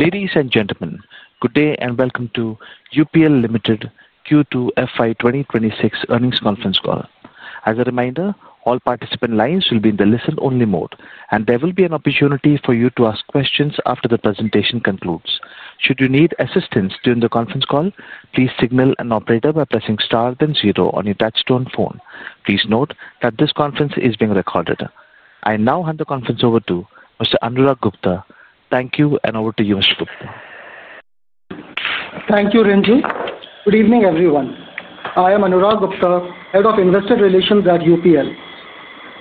Ladies and gentlemen, good day and welcome to UPL Limited Q2 FY 2026 Earnings Conference Call. As a reminder, all participant lines will be in the listen-only mode, and there will be an opportunity for you to ask questions after the presentation concludes. Should you need assistance during the conference call, please signal an operator by pressing star then zero on your touchstone phone. Please note that this conference is being recorded. I now hand the conference over to Mr. Anurag Gupta. Thank you, and over to you, Mr. Gupta. Thank you, Ranjit. Good evening, everyone. I am Anurag Gupta, Head of Investor Relations at UPL.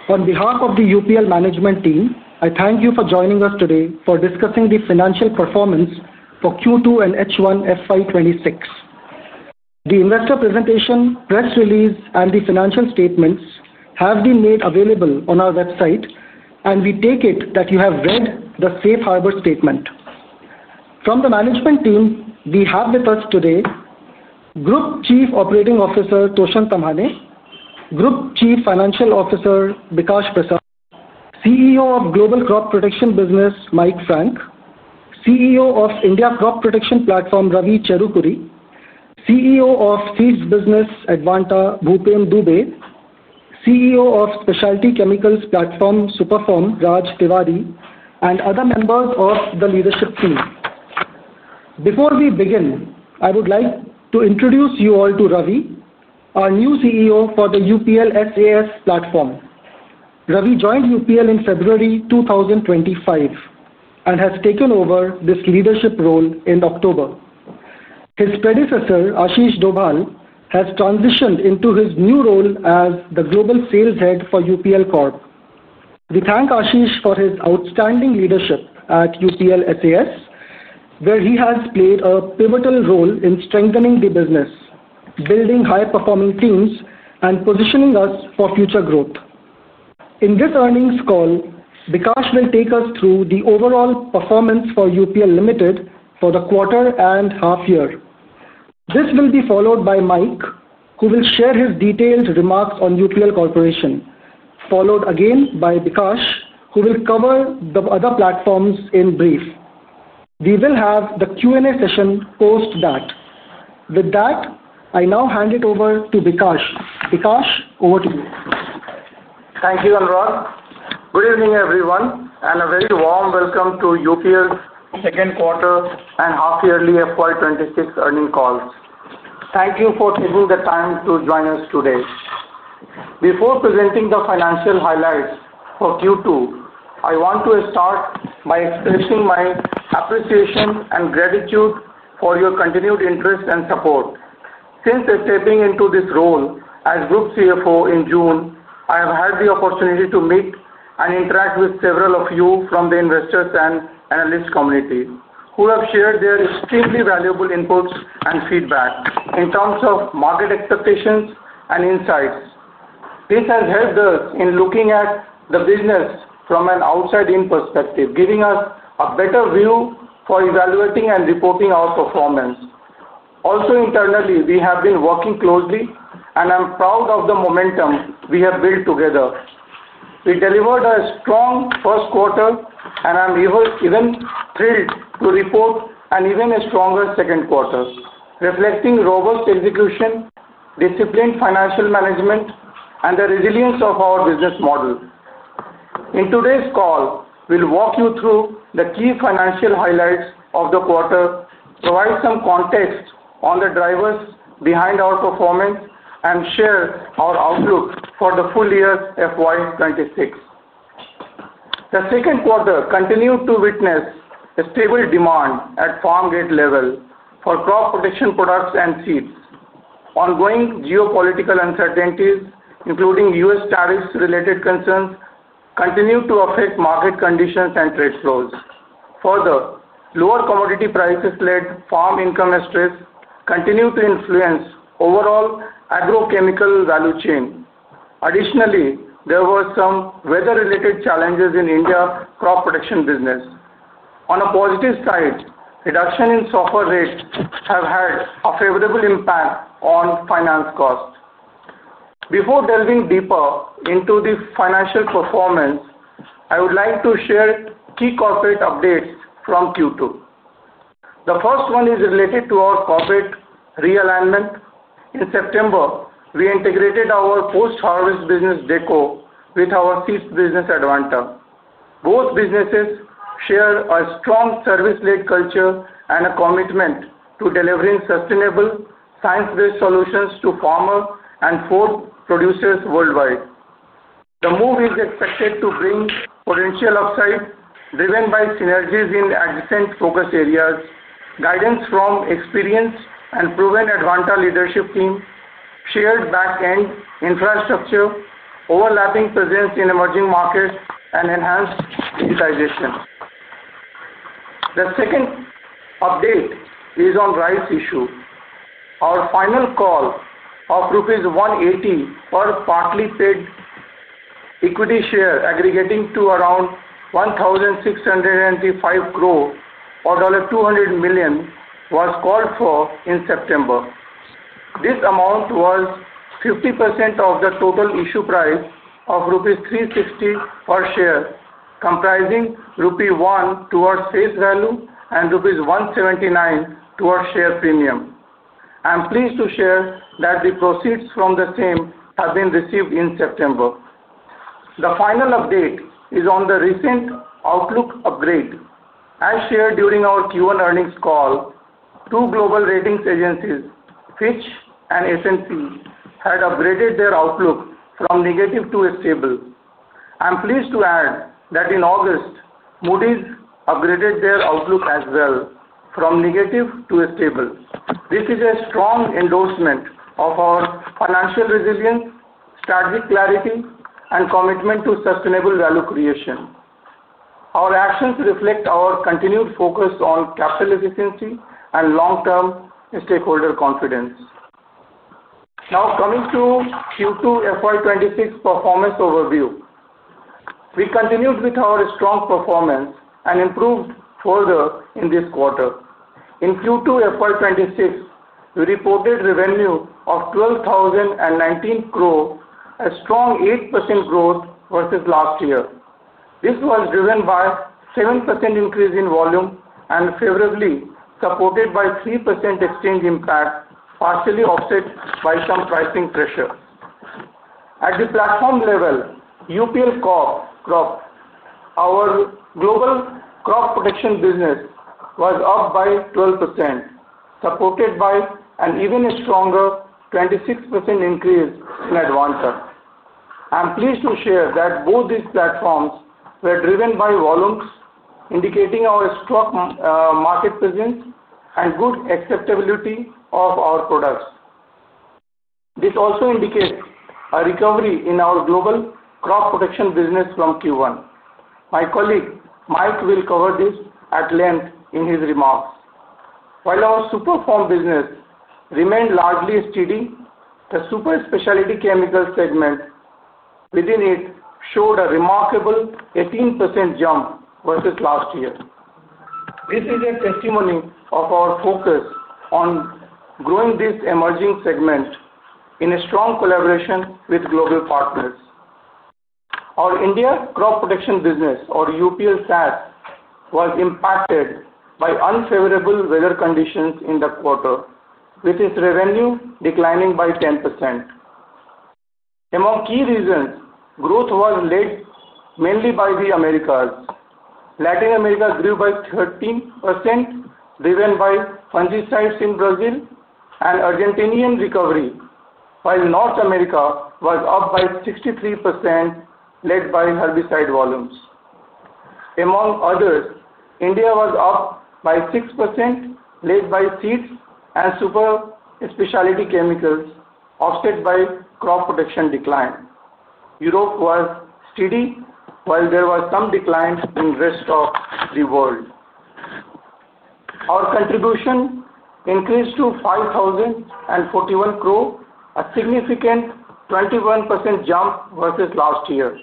On behalf of the UPL management team, I thank you for joining us today for discussing the financial performance for Q2 and H1 FY 2026. The investor presentation, press release, and the financial statements have been made available on our website, and we take it that you have read the Safe Harbor statement. From the management team, we have with us today Group Chief Operating Officer Toshan Tamhane, Group Chief Financial Officer Bikash Prasad, CEO of Global Crop Protection Business Mike Frank, CEO of India Crop Protection Platform Ravi Cherukuri, CEO of Seeds Business Advanta Bhupen Dubey, CEO of Specialty Chemicals Platform SUPERFORM Raj Tiwari, and other members of the leadership team. Before we begin, I would like to introduce you all to Ravi, our new CEO for the UPL SAS platform. Ravi joined UPL in February 2025. He has taken over this leadership role in October. His predecessor, Ashish Dobhal, has transitioned into his new role as the Global Sales Head for UPL Corp. We thank Ashish for his outstanding leadership at UPL SAS, where he has played a pivotal role in strengthening the business, building high-performing teams, and positioning us for future growth. In this earnings call, Bikash will take us through the overall performance for UPL Limited for the quarter and half-year. This will be followed by Mike, who will share his detailed remarks on UPL Corporation, followed again by Bikash, who will cover the other platforms in brief. We will have the Q&A session post that. With that, I now hand it over to Bikash. Bikash, over to you. Thank you, Anurag. Good evening, everyone, and a very warm welcome to UPL's second quarter and half-yearly FY 2026 earnings call. Thank you for taking the time to join us today. Before presenting the financial highlights for Q2, I want to start by expressing my appreciation and gratitude for your continued interest and support. Since stepping into this role as Group CFO in June, I have had the opportunity to meet and interact with several of you from the investors and analyst community who have shared their extremely valuable inputs and feedback in terms of market expectations and insights. This has helped us in looking at the business from an outside-in perspective, giving us a better view for evaluating and reporting our performance. Also, internally, we have been working closely, and I'm proud of the momentum we have built together. We delivered a strong first quarter, and I'm even thrilled to report an even stronger second quarter, reflecting robust execution, disciplined financial management, and the resilience of our business model. In today's call, we'll walk you through the key financial highlights of the quarter, provide some context on the drivers behind our performance, and share our outlook for the full year FY 2026. The second quarter continued to witness a stable demand at farm gate level for crop protection products and seeds. Ongoing geopolitical uncertainties, including U.S. tariffs-related concerns, continued to affect market conditions and trade flows. Further, lower commodity prices led to farm income stress, continuing to influence the overall agrochemical value chain. Additionally, there were some weather-related challenges in India crop production business. On a positive side, reductions in sulfur rates have had a favorable impact on finance costs. Before delving deeper into the financial performance, I would like to share key corporate updates from Q2. The first one is related to our corporate realignment. In September, we integrated our post-harvest business Deco with our seeds business Advanta. Both businesses share a strong service-led culture and a commitment to delivering sustainable science-based solutions to farmer and food producers worldwide. The move is expected to bring potential upside driven by synergies in adjacent focus areas, guidance from experienced and proven Advanta leadership team, shared back-end infrastructure, overlapping presence in emerging markets, and enhanced digitization. The second update is on rice issue. Our final call of rupees 180 per partly paid equity share aggregating to around 1,625 crore or $200 million was called for in September. This amount was 50% of the total issue price of rupees 360 per share, comprising rupee 1 towards face value and rupees 179 towards share premium. I'm pleased to share that the proceeds from the same have been received in September. The final update is on the recent outlook upgrade. As shared during our Q1 earnings call. Two global ratings agencies, Fitch and S&P, had upgraded their outlook from negative to stable. I'm pleased to add that in August, Moody's upgraded their outlook as well from negative to stable. This is a strong endorsement of our financial resilience, strategic clarity, and commitment to sustainable value creation. Our actions reflect our continued focus on capital efficiency and long-term stakeholder confidence. Now coming to Q2 FY 2026 performance overview. We continued with our strong performance and improved further in this quarter. In Q2 FY 2026, we reported revenue of 12,019 crore, a strong 8% growth versus last year. This was driven by a 7% increase in volume and favorably supported by a 3% exchange impact, partially offset by some pricing pressure. At the platform level, UPL Corp, our global crop protection business was up by 12%, supported by an even stronger 26% increase in Advanta. I'm pleased to share that both these platforms were driven by volumes, indicating our strong market presence and good acceptability of our products. This also indicates a recovery in our global crop protection business from Q1. My colleague Mike will cover this at length in his remarks. While our SUPERFORM business remained largely steady, the super specialty chemical segment within it showed a remarkable 18% jump versus last year. This is a testimony of our focus on growing this emerging segment in a strong collaboration with global partners. Our India crop protection business, or UPL SAS, was impacted by unfavorable weather conditions in the quarter, with its revenue declining by 10%. Among key reasons, growth was led mainly by the Americas. Latin America grew by 13%, driven by fungicides in Brazil and Argentinian recovery, while North America was up by 63%, led by herbicide volumes. Among others, India was up by 6%, led by seeds and super specialty chemicals, offset by crop protection decline. Europe was steady, while there was some decline in the rest of the world. Our contribution increased to 5,041 crore, a significant 21% jump versus last year.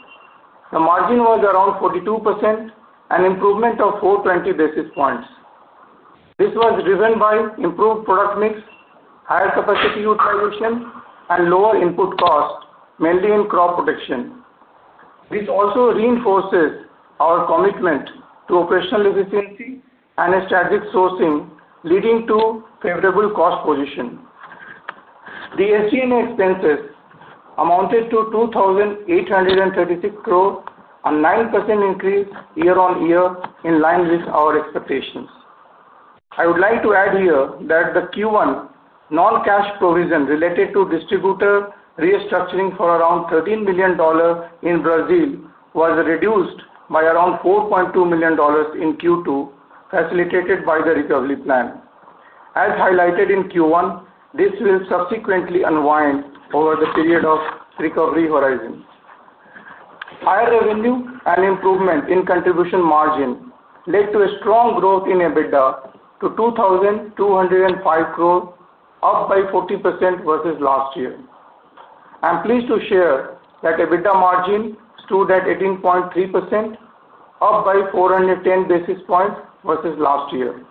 The margin was around 42%, an improvement of 420 basis points. This was driven by improved product mix, higher capacity utilization, and lower input cost, mainly in crop protection. This also reinforces our commitment to operational efficiency and strategic sourcing, leading to a favorable cost position. The SG&A expenses amounted to 2,836 crore, a 9% increase year-on-year in line with our expectations. I would like to add here that the Q1 non-cash provision related to distributor restructuring for around $13 million in Brazil was reduced by around $4.2 million in Q2, facilitated by the recovery plan. As highlighted in Q1, this will subsequently unwind over the period of recovery horizon. Higher revenue and improvement in contribution margin led to a strong growth in EBITDA to 2,205 crore, up by 40% versus last year. I'm pleased to share that EBITDA margin stood at 18.3%, up by 410 basis points versus last year.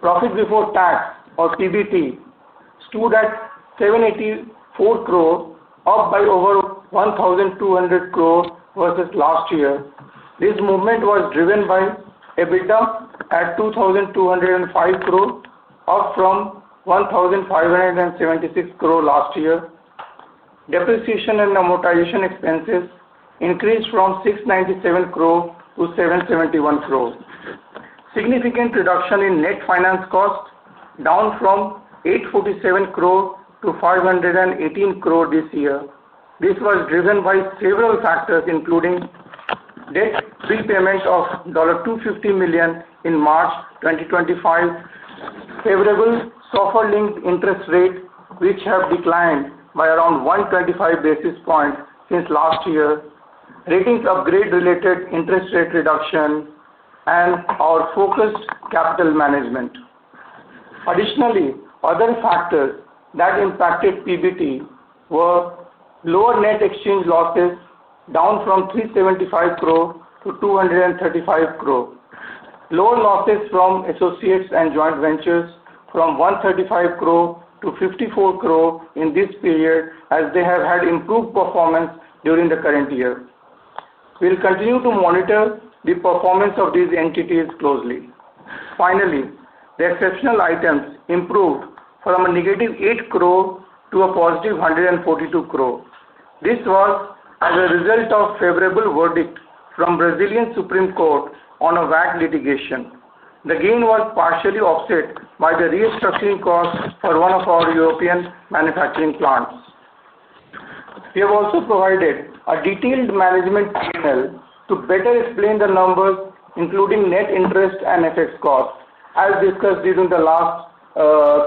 Profit before tax, or PBT, stood at 784 crore, up by over 1,200 crore versus last year. This movement was driven by EBITDA at 2,205 crore, up from 1,576 crore last year. Depreciation and amortization expenses increased from 697 crore to 771 crore. Significant reduction in net finance cost, down from 847 crore to 518 crore this year. This was driven by several factors, including debt repayment of $250 million in March 2025. Favorable sulfur-linked interest rates, which have declined by around 125 basis points since last year, rating upgrade-related interest rate reduction, and our focused capital management. Additionally, other factors that impacted PBT were lower net exchange losses, down from 375 crore to 235 crore. Lower losses from associates and joint ventures from 135 crore to 54 crore in this period, as they have had improved performance during the current year. We'll continue to monitor the performance of these entities closely. Finally, the exceptional items improved from a negative 8 crore to a positive 142 crore. This was as a result of a favorable verdict from the Brazilian Supreme Court on a VAC litigation. The gain was partially offset by the restructuring cost for one of our European manufacturing plants. We have also provided a detailed management P&L to better explain the numbers, including net interest and FX cost, as discussed during the last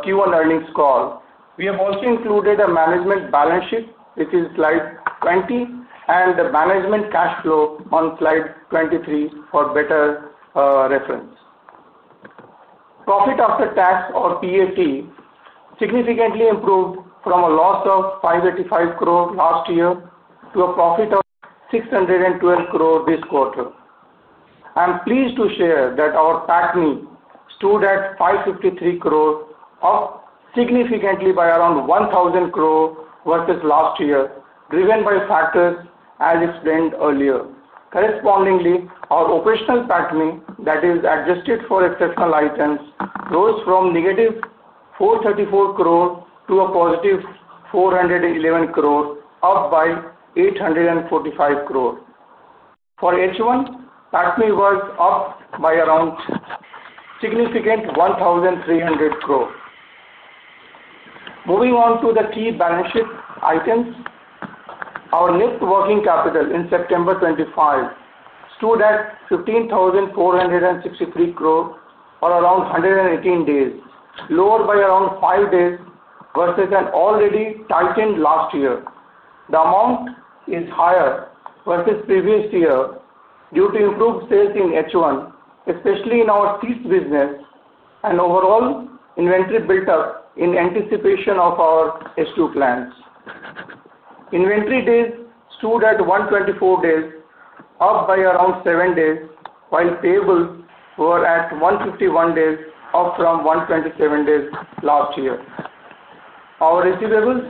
Q1 earnings call. We have also included a management balance sheet, which is slide 20, and the management cash flow on slide 23 for better reference. Profit after tax, or PAT, significantly improved from a loss of 585 crore last year to a profit of 612 crore this quarter. I'm pleased to share that our PAT stood at 553 crore, up significantly by around 1,000 crore versus last year, driven by factors as explained earlier. Correspondingly, our operational PAT, that is adjusted for exceptional items, rose from negative 434 crore to a positive 411 crore, up by 845 crore. For H1, PAT was up by around a significant 1,300 crore. Moving on to the key balance sheet items. Our net working capital in September 2025 stood at 15,463 crore for around 118 days, lower by around five days versus an already tightened last year. The amount is higher versus the previous year due to improved sales in H1, especially in our seeds business and overall inventory built up in anticipation of our S2 plans. Inventory days stood at 124 days, up by around seven days, while payables were at 151 days, up from 127 days last year. Our receivables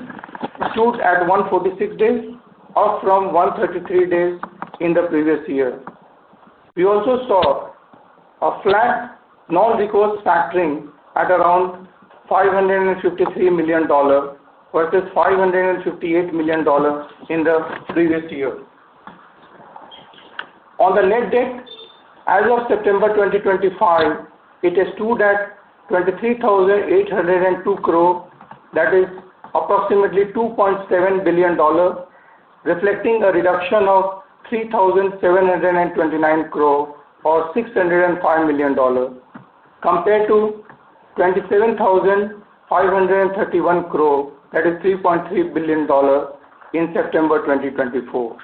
stood at 146 days, up from 133 days in the previous year. We also saw a flat non-request factoring at around $553 million versus $558 million in the previous year. On the net debt, as of September 2025, it has stood at 23,802 crore, that is approximately $2.7 billion, reflecting a reduction of 3,729 crore, or $605 million, compared to 27,531 crore, that is $3.3 billion, in September 2024.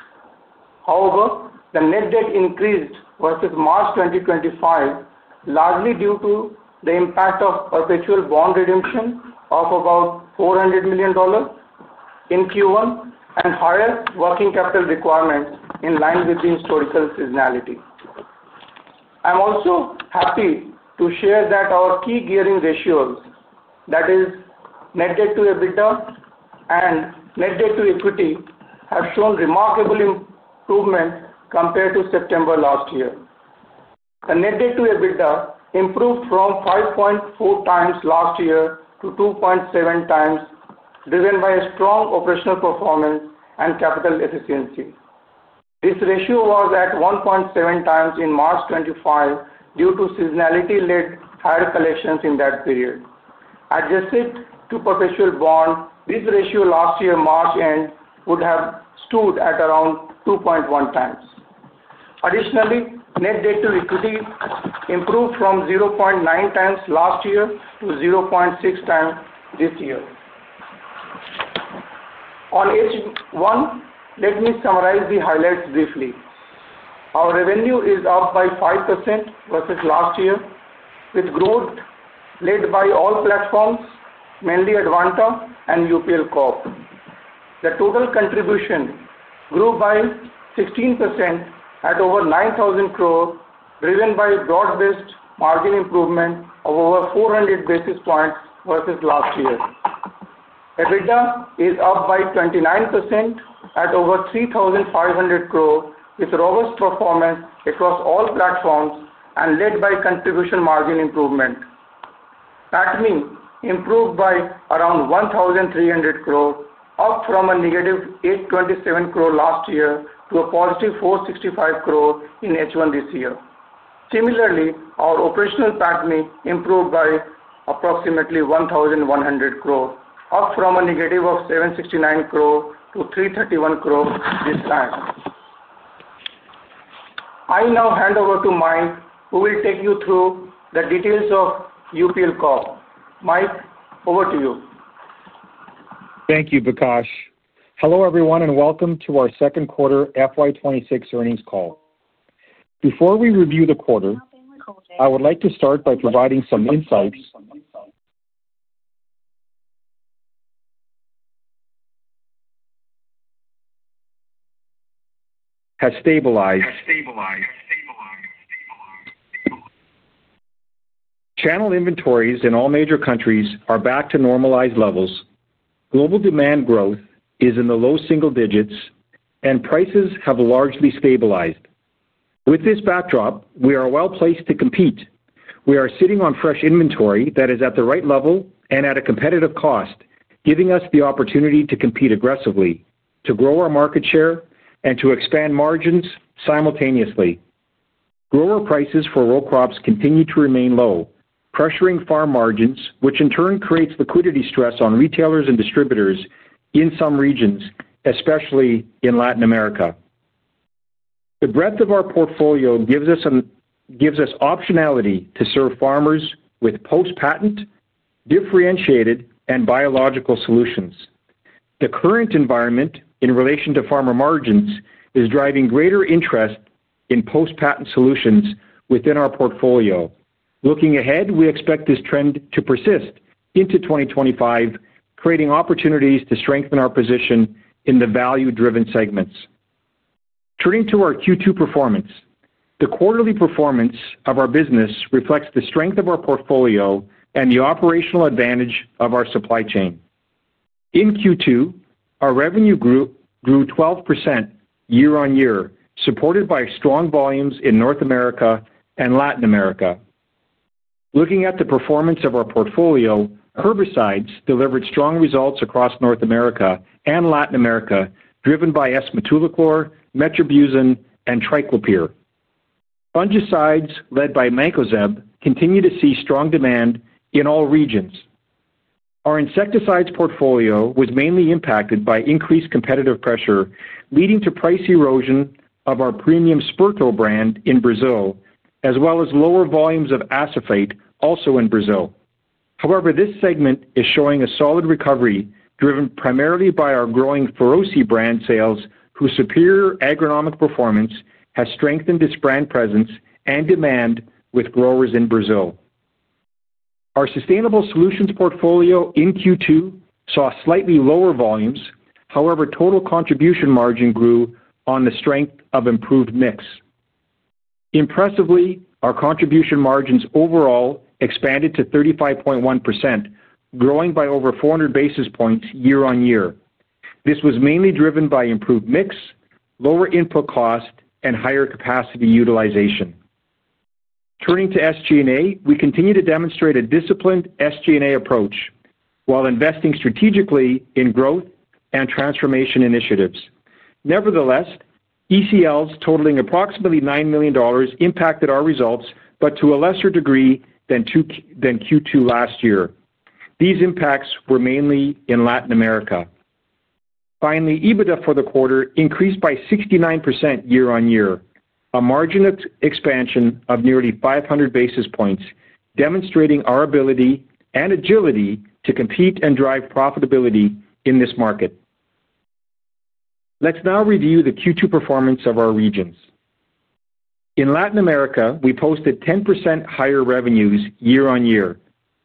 However, the net debt increased versus March 2025, largely due to the impact of perpetual bond redemption of about $400 million in Q1 and higher working capital requirements in line with the historical seasonality. I'm also happy to share that our key gearing ratios, that is net debt to EBITDA and net debt to equity, have shown remarkable improvement compared to September last year. The net debt to EBITDA improved from 5.4 times last year to 2.7 times, driven by strong operational performance and capital efficiency. This ratio was at 1.7 times in March 2025 due to seasonality-led higher collections in that period. Adjusted to perpetual bond, this ratio last year March end would have stood at around 2.1 times. Additionally, net debt to equity improved from 0.9 times last year to 0.6 times this year. On H1, let me summarize the highlights briefly. Our revenue is up by 5% versus last year, with growth led by all platforms, mainly Advanta and UPL Corp. The total contribution grew by 16% at over 9,000 crore, driven by broad-based margin improvement of over 400 basis points versus last year. EBITDA is up by 29% at over 3,500 crore, with robust performance across all platforms and led by contribution margin improvement. PAT improved by around 1,300 crore, up from a negative 827 crore last year to a positive 465 crore in H1 this year. Similarly, our operational PAT improved by approximately 1,100 crore, up from a negative of 769 crore to 331 crore this time. I now hand over to Mike, who will take you through the details of UPL Corp. Mike, over to you. Thank you, Bikash. Hello everyone, and welcome to our Second Quarter FY 2026 Earnings Call. Before we review the quarter, I would like to start by providing some insights. Channel inventories in all major countries are back to normalized levels. Global demand growth is in the low single digits, and prices have largely stabilized. With this backdrop, we are well placed to compete. We are sitting on fresh inventory that is at the right level and at a competitive cost, giving us the opportunity to compete aggressively, to grow our market share, and to expand margins simultaneously. Grower prices for row crops continue to remain low, pressuring farm margins, which in turn creates liquidity stress on retailers and distributors in some regions, especially in Latin America. The breadth of our portfolio gives us optionality to serve farmers with post-patent, differentiated, and biological solutions. The current environment in relation to farmer margins is driving greater interest in post-patent solutions within our portfolio. Looking ahead, we expect this trend to persist into 2025, creating opportunities to strengthen our position in the value-driven segments. Turning to our Q2 performance, the quarterly performance of our business reflects the strength of our portfolio and the operational advantage of our supply chain. In Q2, our revenue grew 12% year-on-year, supported by strong volumes in North America and Latin America. Looking at the performance of our portfolio, herbicides delivered strong results across North America and Latin America, driven by S-Metolachlor, Metribuzin, and Triclopyr. Fungicides led by Mancozeb continue to see strong demand in all regions. Our insecticides portfolio was mainly impacted by increased competitive pressure, leading to price erosion of our premium Sperto brand in Brazil, as well as lower volumes of Acephate also in Brazil. However, this segment is showing a solid recovery, driven primarily by our growing Ferocy brand sales, whose superior agronomic performance has strengthened this brand presence and demand with growers in Brazil. Our sustainable solutions portfolio in Q2 saw slightly lower volumes. However, total contribution margin grew on the strength of improved mix. Impressively, our contribution margins overall expanded to 35.1%, growing by over 400 basis points year-on-year. This was mainly driven by improved mix, lower input cost, and higher capacity utilization. Turning to SG&A, we continue to demonstrate a disciplined SG&A approach while investing strategically in growth and transformation initiatives. Nevertheless, ECLs totaling approximately $9 million impacted our results, but to a lesser degree than Q2 last year. These impacts were mainly in Latin America. Finally, EBITDA for the quarter increased by 69% year-on-year, a margin of expansion of nearly 500 basis points, demonstrating our ability and agility to compete and drive profitability in this market. Let's now review the Q2 performance of our regions. In Latin America, we posted 10% higher revenues year-on-year.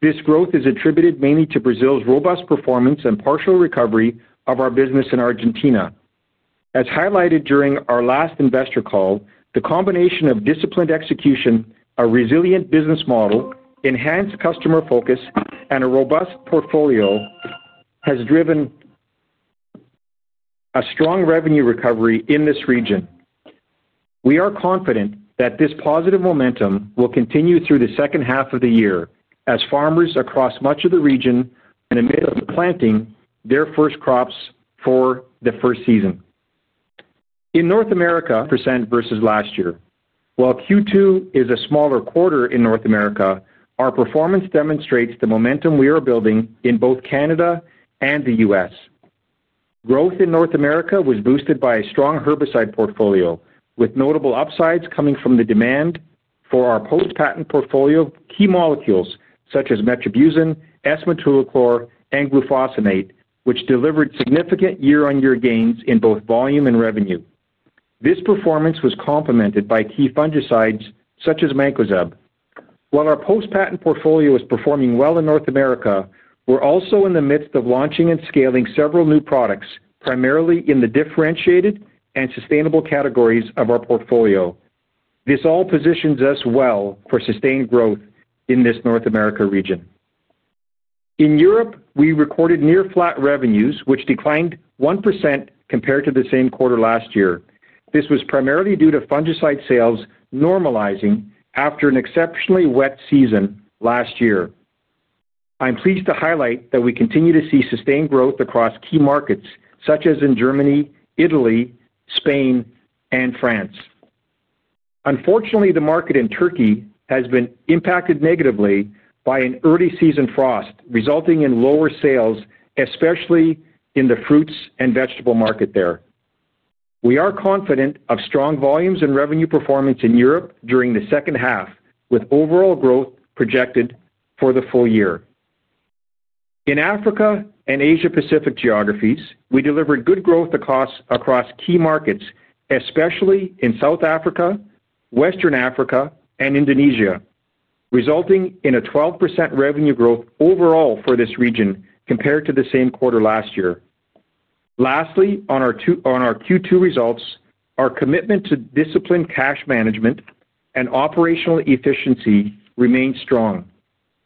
This growth is attributed mainly to Brazil's robust performance and partial recovery of our business in Argentina. As highlighted during our last investor call, the combination of disciplined execution, a resilient business model, enhanced customer focus, and a robust portfolio has driven. A strong revenue recovery in this region. We are confident that this positive momentum will continue through the second half of the year as farmers across much of the region, and admit of the planting their first crops for the first season. In North America, 1% versus last year. While Q2 is a smaller quarter in North America, our performance demonstrates the momentum we are building in both Canada and the U.S. Growth in North America was boosted by a strong herbicide portfolio, with notable upsides coming from the demand for our post-patent portfolio key molecules such as Metribuzin, S-Metolachlor, and Glufosinate, which delivered significant year-on-year gains in both volume and revenue. This performance was complemented by key fungicides such as Mancozeb. While our post-patent portfolio is performing well in North America, we're also in the midst of launching and scaling several new products, primarily in the differentiated and sustainable categories of our portfolio. This all positions us well for sustained growth in this North America region. In Europe, we recorded near-flat revenues, which declined 1% compared to the same quarter last year. This was primarily due to fungicide sales normalizing after an exceptionally wet season last year. I'm pleased to highlight that we continue to see sustained growth across key markets such as in Germany, Italy, Spain, and France. Unfortunately, the market in Turkey has been impacted negatively by an early season frost, resulting in lower sales, especially in the fruits and vegetable market there. We are confident of strong volumes and revenue performance in Europe during the second half, with overall growth projected for the full year. In Africa and Asia-Pacific geographies, we delivered good growth across key markets, especially in South Africa, Western Africa, and Indonesia, resulting in a 12% revenue growth overall for this region compared to the same quarter last year. Lastly, on our Q2 results, our commitment to disciplined cash management and operational efficiency remains strong.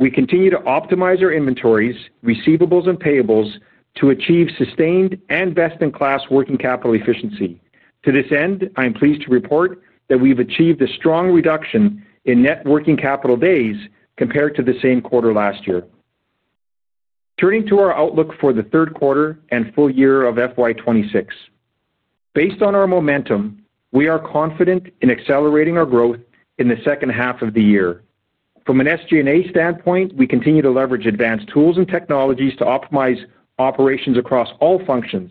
We continue to optimize our inventories, receivables, and payables to achieve sustained and best-in-class working capital efficiency. To this end, I'm pleased to report that we've achieved a strong reduction in net working capital days compared to the same quarter last year. Turning to our outlook for the third quarter and full year of FY 2026. Based on our momentum, we are confident in accelerating our growth in the second half of the year. From an SG&A standpoint, we continue to leverage advanced tools and technologies to optimize operations across all functions,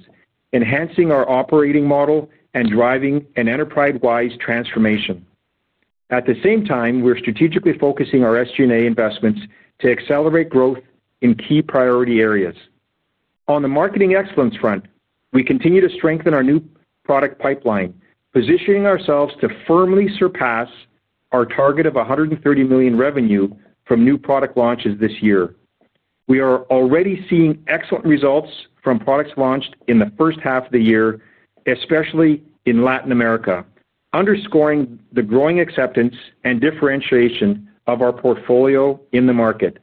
enhancing our operating model and driving an enterprise-wide transformation. At the same time, we're strategically focusing our SG&A investments to accelerate growth in key priority areas. On the marketing excellence front, we continue to strengthen our new product pipeline, positioning ourselves to firmly surpass our target of $130 million revenue from new product launches this year. We are already seeing excellent results from products launched in the first half of the year, especially in Latin America, underscoring the growing acceptance and differentiation of our portfolio in the market.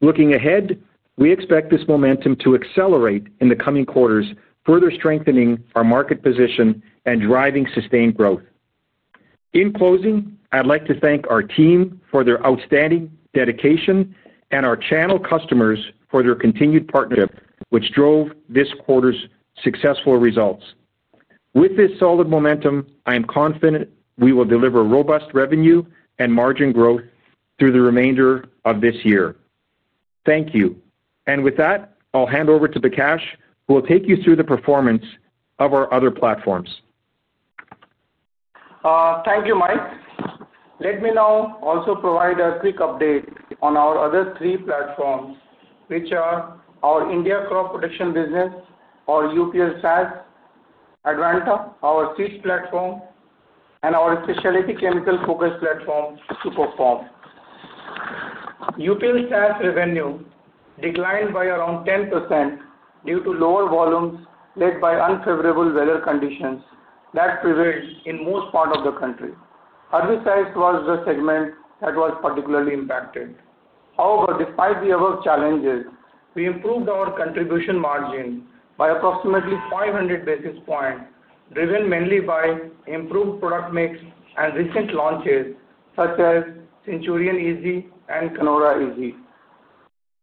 Looking ahead, we expect this momentum to accelerate in the coming quarters, further strengthening our market position and driving sustained growth. In closing, I'd like to thank our team for their outstanding dedication and our channel customers for their continued partnership, which drove this quarter's successful results. With this solid momentum, I am confident we will deliver robust revenue and margin growth through the remainder of this year. Thank you. With that, I'll hand over to Bikash, who will take you through the performance of our other platforms. Thank you, Mike. Let me now also provide a quick update on our other three platforms, which are our India Crop Protection Business, our seed platform, and our specialty chemical focus platform, SUPERFORM. UPL SAS revenue declined by around 10% due to lower volumes led by unfavorable weather conditions that prevailed in most parts of the country. Herbicides was the segment that was particularly impacted. However, despite the above challenges, we improved our contribution margin by approximately 500 basis points, driven mainly by improved product mix and recent launches such as Centurion EZ and Canora EZ.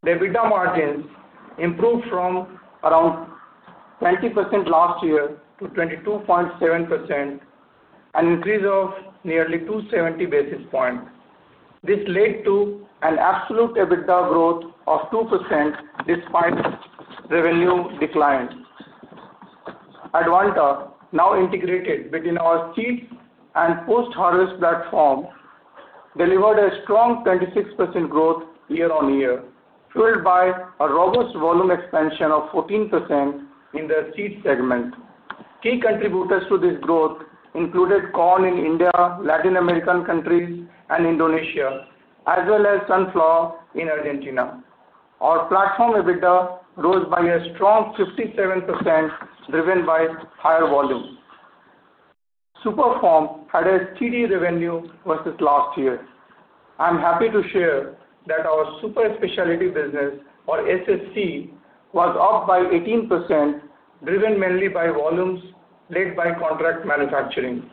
The EBITDA margins improved from around 20% last year to 22.7%, an increase of nearly 270 basis points. This led to an absolute EBITDA growth of 2% despite revenue decline. Advanta, now integrated between our seed and post-harvest platform, delivered a strong 26% growth year-on-year, fueled by a robust volume expansion of 14% in the seed segment. Key contributors to this growth included corn in India, Latin American countries, and Indonesia, as well as sunflower in Argentina. Our platform EBITDA rose by a strong 57%, driven by higher volume. SUPERFORM had a steady revenue versus last year. I'm happy to share that our super specialty business, or SSC, was up by 18%, driven mainly by volumes led by contract manufacturing.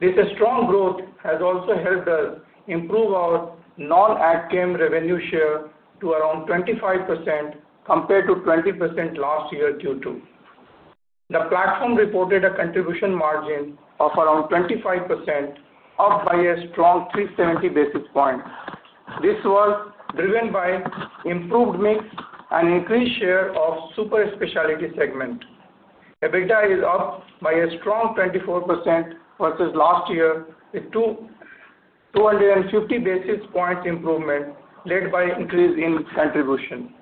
This strong growth has also helped us improve our non-ADCEM revenue share to around 25% compared to 20% last year. The platform reported a contribution margin of around 25%, up by a strong 370 basis points. This was driven by improved mix and increased share of the super specialty segment. EBITDA is up by a strong 24% versus last year, with 250 basis points improvement led by increase in contribution.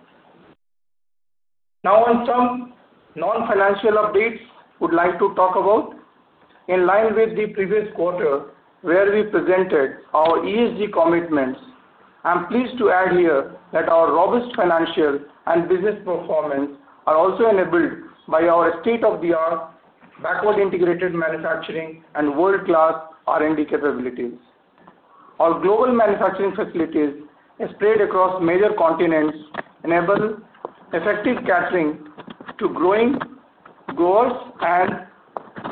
Now, on some non-financial updates, I would like to talk about, in line with the previous quarter, where we presented our ESG commitments, I'm pleased to add here that our robust financial and business performance are also enabled by our state-of-the-art backward-integrated manufacturing and world-class R&D capabilities. Our global manufacturing facilities, spread across major continents, enable effective catering to growing goals and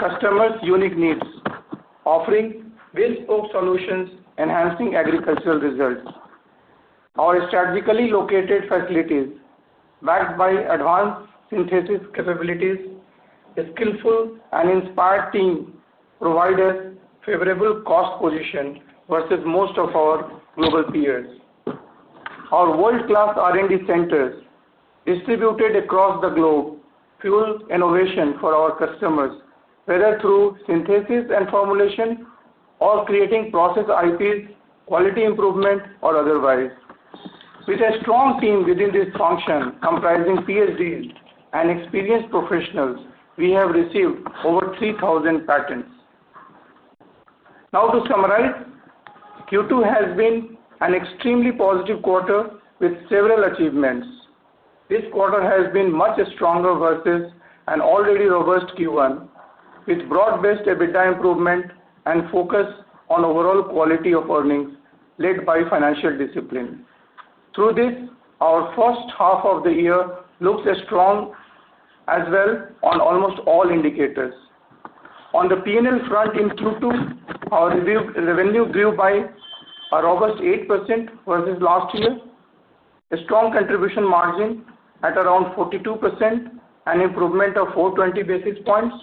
customers' unique needs, offering built-spoke solutions, enhancing agricultural results. Our strategically located facilities, backed by advanced synthesis capabilities, a skillful and inspired team, provide us a favorable cost position versus most of our global peers. Our world-class R&D centers, distributed across the globe, fuel innovation for our customers, whether through synthesis and formulation or creating process IPs, quality improvement, or otherwise. With a strong team within this function, comprising PhDs and experienced professionals, we have received over 3,000 patents. Now, to summarize, Q2 has been an extremely positive quarter with several achievements. This quarter has been much stronger versus an already robust Q1, with broad-based EBITDA improvement and focus on overall quality of earnings led by financial discipline. Through this, our first half of the year looks strong as well on almost all indicators. On the P&L front in Q2, our revenue grew by a robust 8% versus last year. A strong contribution margin at around 42%, an improvement of 420 basis points.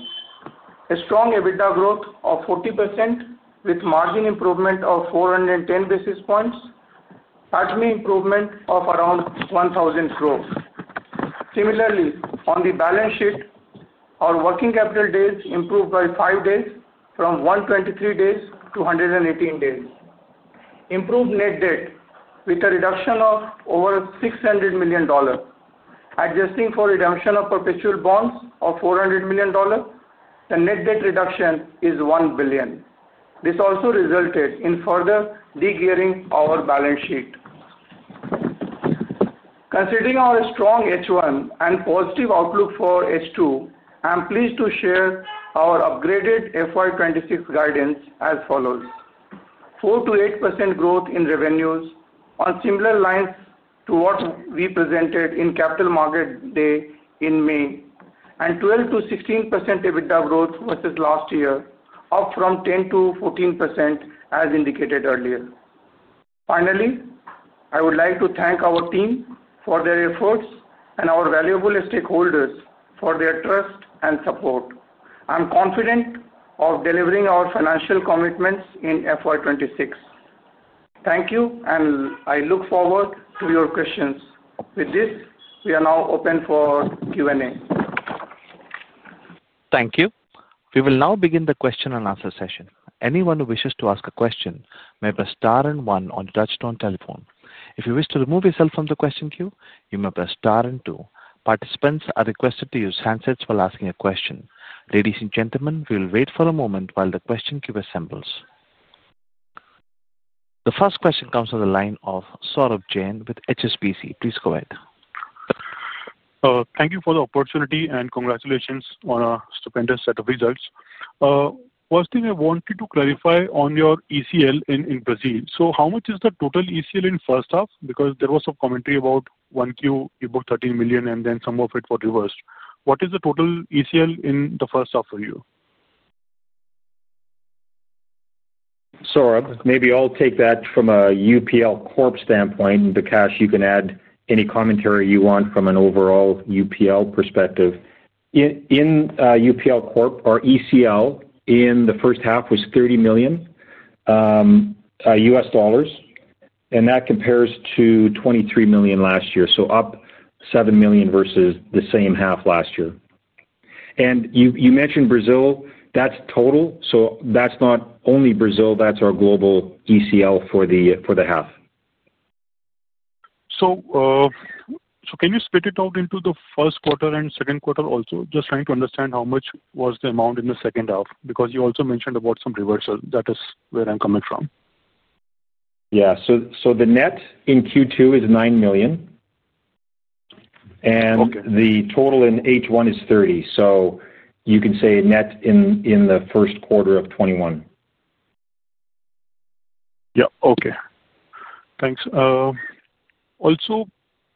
A strong EBITDA growth of 40%, with margin improvement of 410 basis points. Patent improvement of around 1,000 growth. Similarly, on the balance sheet, our working capital days improved by five days, from 123 days to 118 days. Improved net debt with a reduction of over $600 million. Adjusting for redemption of perpetual bonds of $400 million, the net debt reduction is $1 billion. This also resulted in further degearing of our balance sheet. Considering our strong H1 and positive outlook for H2, I'm pleased to share our upgraded FY 2026 guidance as follows. 4-8% growth in revenues on similar lines to what we presented in capital market day in May, and 12%-16% EBITDA growth versus last year, up from 10%-14% as indicated earlier. Finally, I would like to thank our team for their efforts and our valuable stakeholders for their trust and support. I'm confident of delivering our financial commitments in FY 2026. Thank you, and I look forward to your questions. With this, we are now open for Q&A. Thank you. We will now begin the question and answer session. Anyone who wishes to ask a question may press star and one on the touchstone telephone. If you wish to remove yourself from the question queue, you may press star and two. Participants are requested to use handsets while asking a question. Ladies and gentlemen, we will wait for a moment while the question queue assembles. The first question comes from the line of Saurabh Jain with HSBC. Please go ahead. Thank you for the opportunity and congratulations on a stupendous set of results. First thing, I wanted to clarify on your ECL in Brazil. So how much is the total ECL in first half? Because there was some commentary about one Q, you booked $13 million, and then some of it got reversed. What is the total ECL in the first half for you? Saurabh, maybe I'll take that from a UPL Corp standpoint. Bikash, you can add any commentary you want from an overall UPL perspective. In UPL Corp, our ECL in the first half was $30 million, and that compares to $23 million last year. So up $7 million versus the same half last year. You mentioned Brazil. That's total. That's not only Brazil. That's our global ECL for the half. Can you split it out into the first quarter and second quarter also? Just trying to understand how much was the amount in the second half, because you also mentioned about some reversal. That is where I'm coming from. Yeah. The net in Q2 is $9 million. The total in H1 is $30 million. You can say net in the first quarter is $21 million. Yeah. Okay. Thanks. Also,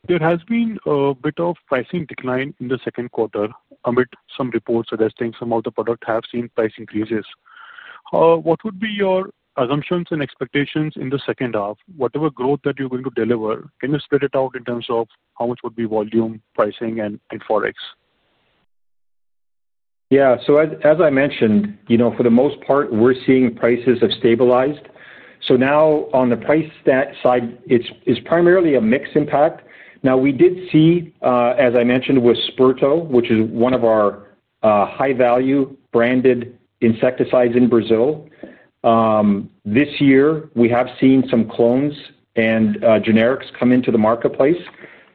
there has been a bit of pricing decline in the second quarter amid some reports suggesting some of the products have seen price increases. What would be your assumptions and expectations in the second half? Whatever growth that you're going to deliver, can you split it out in terms of how much would be volume, pricing, and Forex? Yeah. As I mentioned, for the most part, we're seeing prices have stabilized. Now, on the price side, it's primarily a mixed impact. We did see, as I mentioned, with Sperto, which is one of our high-value branded insecticides in Brazil. This year, we have seen some clones and generics come into the marketplace,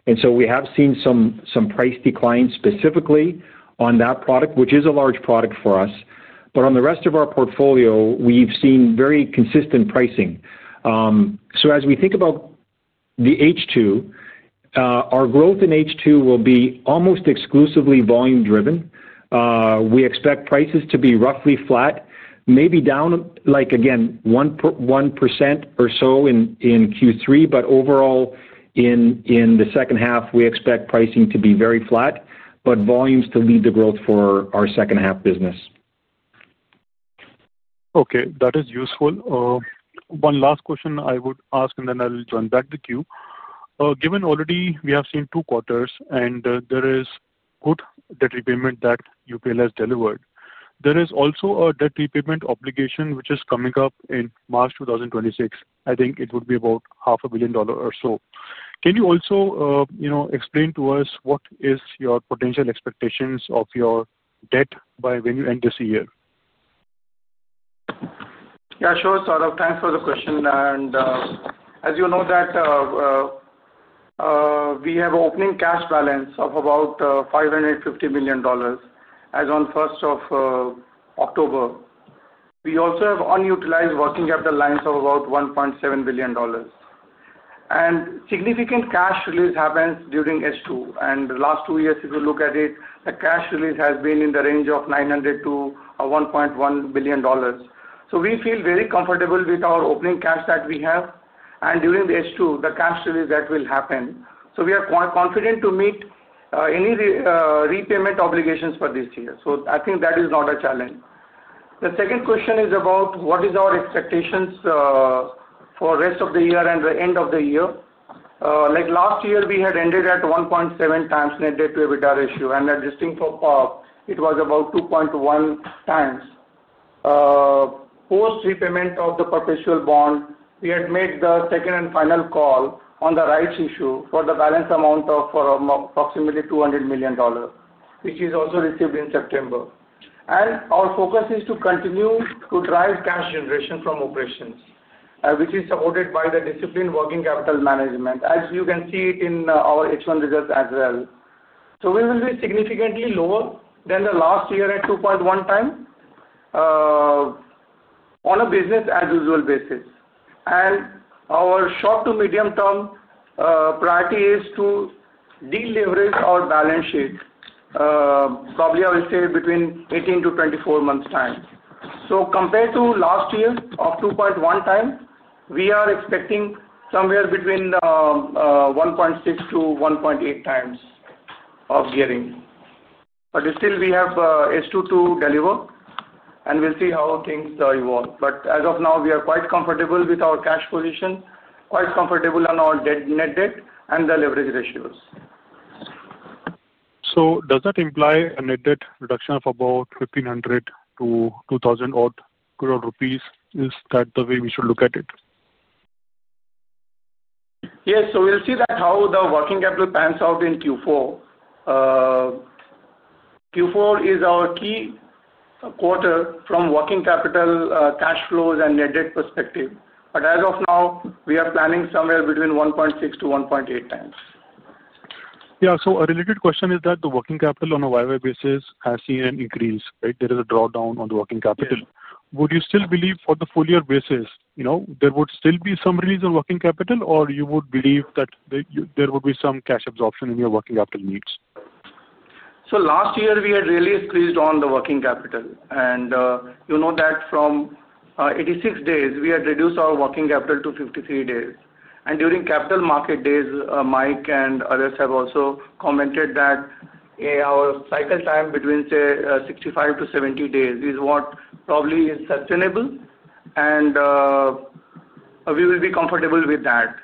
and we have seen some price decline specifically on that product, which is a large product for us. On the rest of our portfolio, we've seen very consistent pricing. As we think about the H2, our growth in H2 will be almost exclusively volume-driven. We expect prices to be roughly flat, maybe down, again, 1% or so in Q3. Overall, in the second half, we expect pricing to be very flat, but volumes to lead the growth for our second-half business. Okay. That is useful. One last question I would ask, and then I'll turn back the queue. Given already we have seen two quarters, and there is good debt repayment that UPL has delivered. There is also a debt repayment obligation which is coming up in March 2026. I think it would be about $500,000,000 or so. Can you also explain to us what is your potential expectations of your debt by when you end this year? Yeah. Sure, Saurabh. Thanks for the question. As you know, we have an opening cash balance of about $550 million. As on 1st of October, we also have unutilized working capital lines of about $1.7 billion Significant cash release happens during H2. In the last two years, if you look at it, the cash release has been in the range of $900 million-$1.1 billion. We feel very comfortable with our opening cash that we have. During the H2, the cash release that will happen. We are confident to meet any repayment obligations for this year. I think that is not a challenge. The second question is about what are our expectations for the rest of the year and the end of the year. Like last year, we had ended at 1.7 times net debt to EBITDA ratio. Adjusting for PAR, it was about 2.1 times. Post-repayment of the perpetual bond, we had made the second and final call on the rights issue for the balance amount of approximately $200 million, which is also received in September. Our focus is to continue to drive cash generation from operations, which is supported by the disciplined working capital management, as you can see it in our H1 results as well. We will be significantly lower than last year at 2.1 times. On a business-as-usual basis. Our short to medium-term priority is to deleverage our balance sheet. Probably, I would say, between 18-24 months' time. Compared to last year of 2.1 times, we are expecting somewhere between 1.6-1.8 times of gearing. We have H2 to deliver, and we'll see how things evolve. As of now, we are quite comfortable with our cash position, quite comfortable on our net debt and the leverage ratios. Does that imply a net debt reduction of about 1,500 crore-2,000 crore rupees? Is that the way we should look at it? Yes. We'll see how the working capital pans out in Q4. Q4 is our key quarter from working capital cash flows and net debt perspective. As of now, we are planning somewhere between 1.6-1.8 times. Yeah. A related question is that the working capital on a year-over-year basis has seen an increase, right? There is a drawdown on the working capital. Would you still believe for the full-year basis, there would still be some release on working capital, or you would believe that there would be some cash absorption in your working capital needs? Last year, we had really squeezed on the working capital. You know that from 86 days, we had reduced our working capital to 53 days. During capital market days, Mike and others have also commented that our cycle time between, say, 65-70 days is what probably is sustainable, and we will be comfortable with that.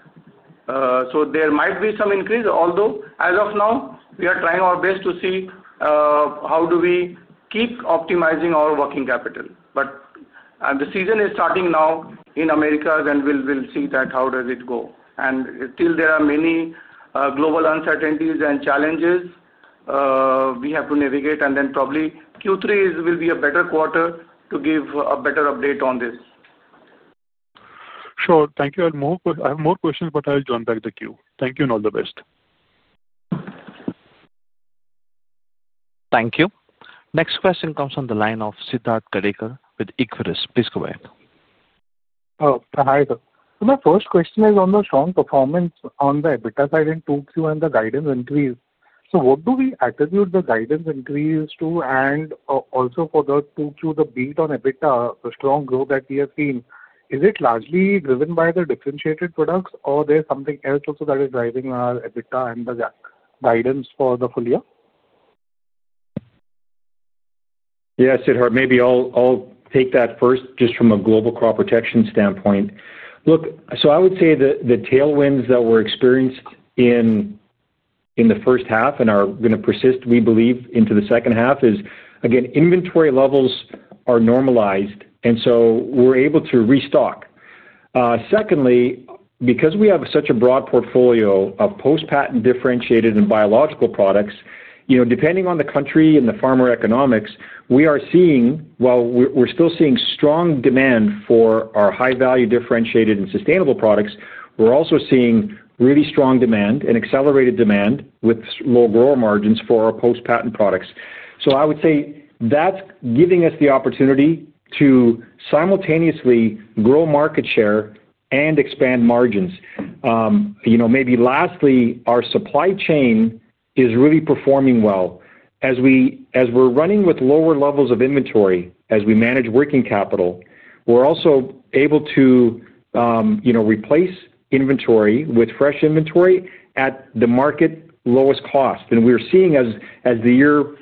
There might be some increase, although as of now, we are trying our best to see how we keep optimizing our working capital. The season is starting now in America, and we'll see how does it go. There are still many global uncertainties and challenges we have to navigate. Probably Q3 will be a better quarter to give a better update on this. Sure. Thank you. I have more questions, but I'll turn back the queue. Thank you and all the best. Thank you. Next question comes on the line of Siddharth Gadekar with Equirus. Please go ahead. Hi, sir. My first question is on the strong performance on the EBITDA side in 2Q and the guidance increase. What do we attribute the guidance increase to? Also, for the 2Q, the beat on EBITDA, the strong growth that we have seen, is it largely driven by the differentiated products, or is there something else also that is driving our EBITDA and the guidance for the full year? Yeah, Siddharth, maybe I'll take that first just from a global crop protection standpoint. Look, I would say the tailwinds that were experienced in the first half and are going to persist, we believe, into the second half is, again, inventory levels are normalized, and so we're able to restock. Secondly, because we have such a broad portfolio of post-patent differentiated and biological products, depending on the country and the farmer economics, we are seeing, while we're still seeing strong demand for our high-value differentiated and sustainable products, we're also seeing really strong demand and accelerated demand with low grower margins for our post-patent products. I would say that's giving us the opportunity to simultaneously grow market share and expand margins. Maybe lastly, our supply chain is really performing well. As we're running with lower levels of inventory, as we manage working capital, we're also able to. Replace inventory with fresh inventory at the market lowest cost. We're seeing, as the year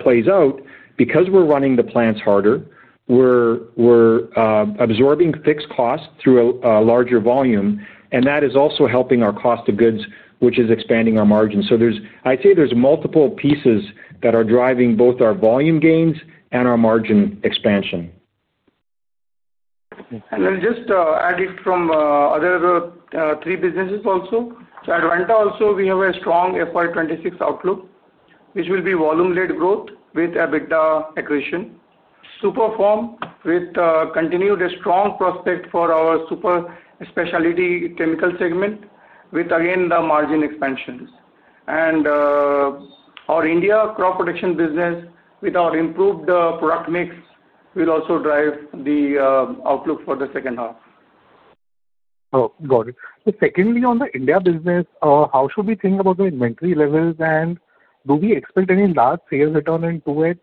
plays out, because we're running the plants harder, we're absorbing fixed costs through a larger volume, and that is also helping our cost of goods, which is expanding our margins. I'd say there's multiple pieces that are driving both our volume gains and our margin expansion. Just adding from other three businesses also. At Advanta, also, we have a strong FY 2026 outlook, which will be volume-led growth with EBITDA accretion, SUPERFORM with continued strong prospect for our super specialty chemical segment, with, again, the margin expansions. Our India crop protection business, with our improved product mix, will also drive the outlook for the second half. Got it. Secondly, on the India business, how should we think about the inventory levels, and do we expect any large sales return in 2H?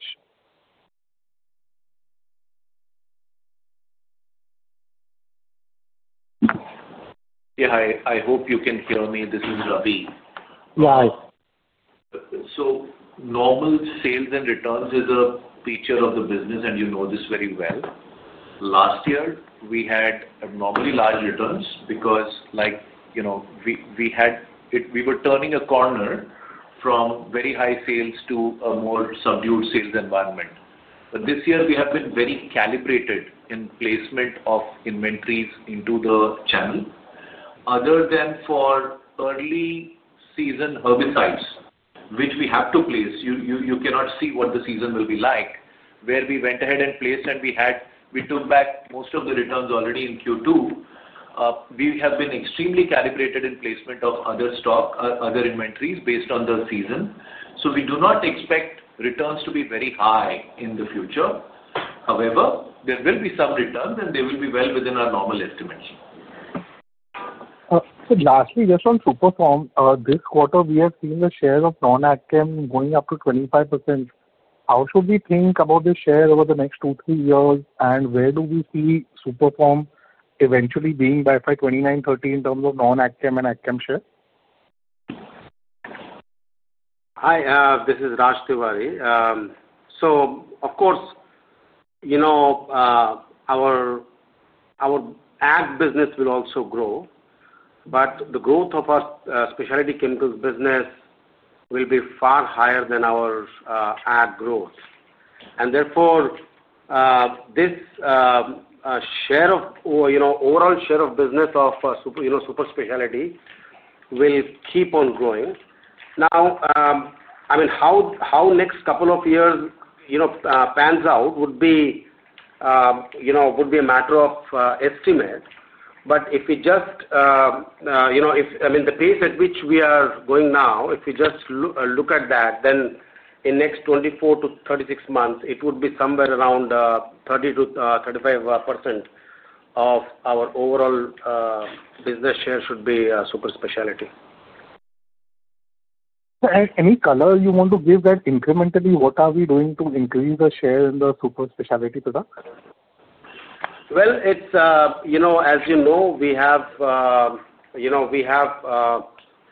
Yeah. I hope you can hear me. This is Ravi. Yeah. Normal sales and returns is a feature of the business, and you know this very well. Last year, we had abnormally large returns because we were turning a corner from very high sales to a more subdued sales environment. This year, we have been very calibrated in placement of inventories into the channel, other than for early season herbicides, which we have to place. You cannot see what the season will be like. Where we went ahead and placed, we took back most of the returns already in Q2. We have been extremely calibrated in placement of other stock, other inventories based on the season. We do not expect returns to be very high in the future. However, there will be some returns, and they will be well within our normal estimates. Lastly, just on SUPERFORM, this quarter, we have seen the share of non-ACM going up to 25%. How should we think about the share over the next two, three years, and where do we see SUPERFORM eventually being by 2029-2030 in terms of non-ACM and ACM share? Hi, this is Raj Tiwari. Of course, our ag business will also grow, but the growth of our specialty chemicals business will be far higher than our ag growth, and therefore this overall share of business of super specialty will keep on growing. Now, how the next couple of years pans out would be a matter of estimate, but if we just. I mean, the pace at which we are going now, if we just look at that, then in the next 24-36 months, it would be somewhere around 30%-35% of our overall business share should be super specialty. Any color you want to give that incrementally? What are we doing to increase the share in the super specialty product? As you know, we have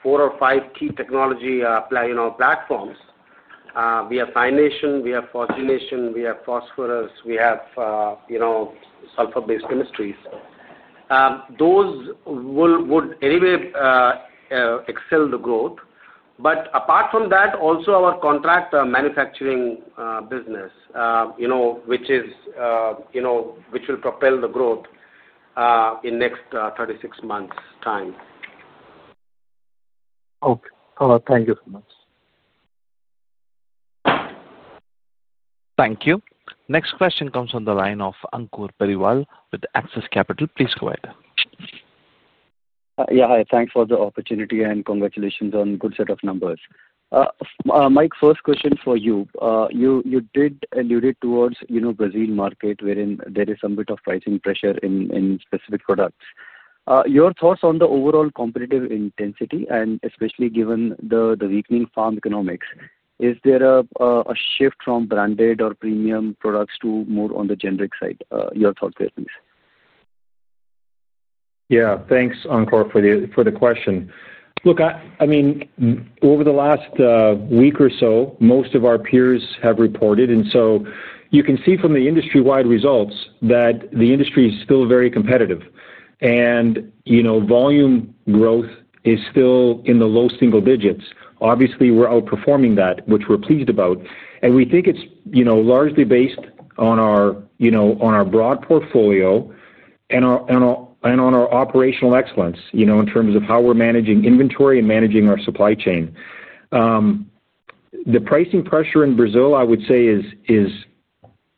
four or five key technology platforms. We have cyanation, we have phosphination, we have phosphorus, we have sulfur-based chemistries. Those would anyway excel the growth. Apart from that, also our contract manufacturing business, which will propel the growth in the next 36 months' time. Okay. Thank you so much. Thank you. Next question comes on the line of Ankur Periwal with Axis Capital. Please go ahead. Yeah. Hi. Thanks for the opportunity and congratulations on a good set of numbers. Mike, first question for you. You did allude towards the Brazil market, wherein there is some bit of pricing pressure in specific products. Your thoughts on the overall competitive intensity, and especially given the weakening farm economics, is there a shift from branded or premium products to more on the generic side? Your thoughts there, please. Yeah. Thanks, Ankur, for the question. Look, I mean, over the last week or so, most of our peers have reported. You can see from the industry-wide results that the industry is still very competitive. Volume growth is still in the low single digits. Obviously, we are outperforming that, which we are pleased about. We think it is largely based on our broad portfolio and on our operational excellence in terms of how we are managing inventory and managing our supply chain. The pricing pressure in Brazil, I would say, is.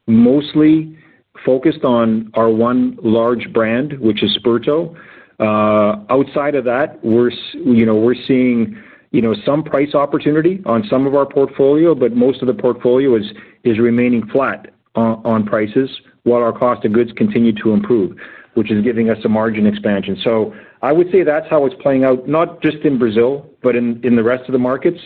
Mostly focused on our one large brand, which is Sperto. Outside of that, we're seeing some price opportunity on some of our portfolio, but most of the portfolio is remaining flat on prices while our cost of goods continue to improve, which is giving us a margin expansion. I would say that's how it's playing out, not just in Brazil, but in the rest of the markets.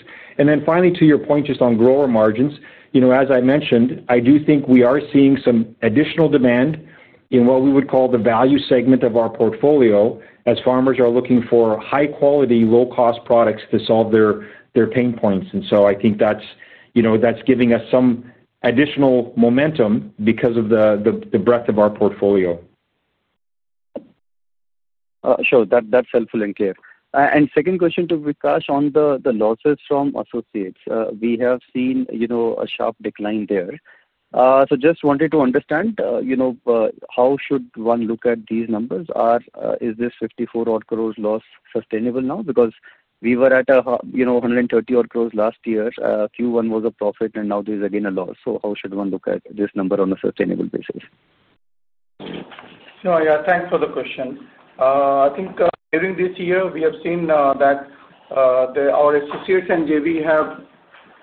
Finally, to your point, just on grower margins, as I mentioned, I do think we are seeing some additional demand in what we would call the value segment of our portfolio as farmers are looking for high-quality, low-cost products to solve their pain points. I think that's giving us some additional momentum because of the breadth of our portfolio. Sure. That's helpful and clear. Second question to Bikash on the losses from associates. We have seen a sharp decline there. Just wanted to understand, how should one look at these numbers? Is this 54 crore loss sustainable now? Because we were at 130 crore last year. Q1 was a profit, and now there is again a loss. How should one look at this number on a sustainable basis? Yeah. Yeah. Thanks for the question. I think during this year, we have seen that our associates and JV have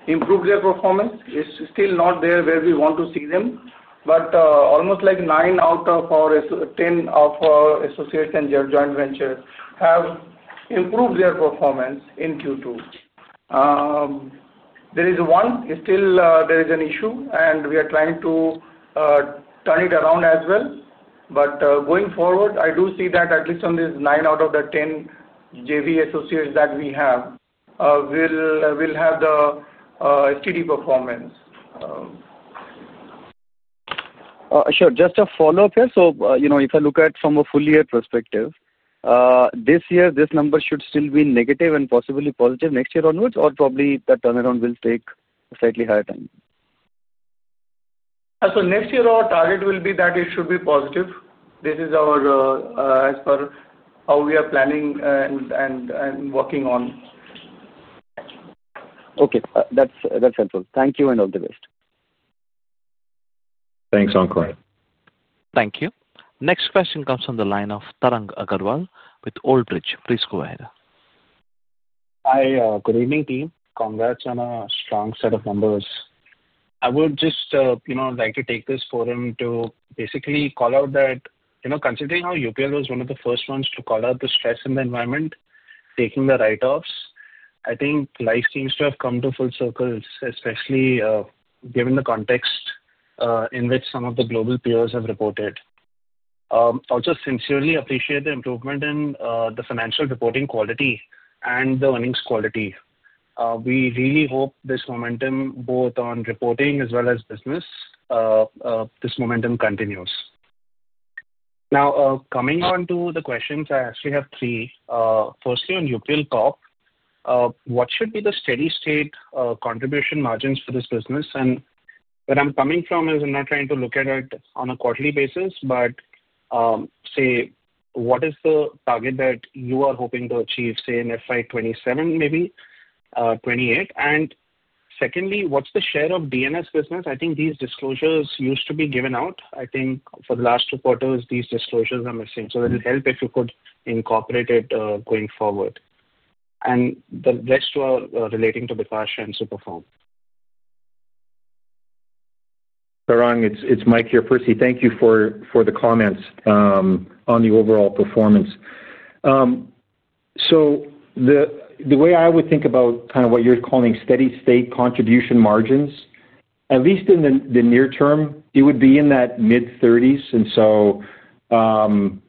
improved their performance. It is still not there where we want to see them, but almost 9 out of 10 of our associates and their joint ventures have improved their performance in Q2. There is one. Still, there is an issue, and we are trying to turn it around as well. Going forward, I do see that at least on these 9 out of the 10 JV associates that we have. Will have the steady performance. Sure. Just a follow-up here. If I look at from a full-year perspective, this year, this number should still be negative and possibly positive next year onwards, or probably that turnaround will take a slightly higher time? Next year, our target will be that it should be positive. This is our, as per how we are planning and working on. Okay. That's helpful. Thank you and all the best. Thanks, Ankur. Thank you. Next question comes on the line of Tarang Agrawal with Old Bridge. Please go ahead. Hi. Good evening, team. Congrats on a strong set of numbers. I would just like to take this forum to basically call out that considering how UPL was one of the first ones to call out the stress in the environment, taking the write-offs, I think life seems to have come to full circles, especially given the context in which some of the global peers have reported. Also, sincerely appreciate the improvement in the financial reporting quality and the earnings quality. We really hope this momentum, both on reporting as well as business, this momentum continues. Now, coming on to the questions, I actually have three. Firstly, on UPL Corp, what should be the steady-state contribution margins for this business? And where I'm coming from is I'm not trying to look at it on a quarterly basis, but, say, what is the target that you are hoping to achieve, say, in FY 2027, maybe 2028? Secondly, what's the share of DNS business? I think these disclosures used to be given out. I think for the last two quarters, these disclosures are missing. It would help if you could incorporate it going forward. The rest are relating to Vikas and SUPERFORM. Tarang, it's Mike here. Firstly, thank you for the comments on the overall performance. The way I would think about kind of what you're calling steady-state contribution margins, at least in the near term, it would be in that mid-30% range.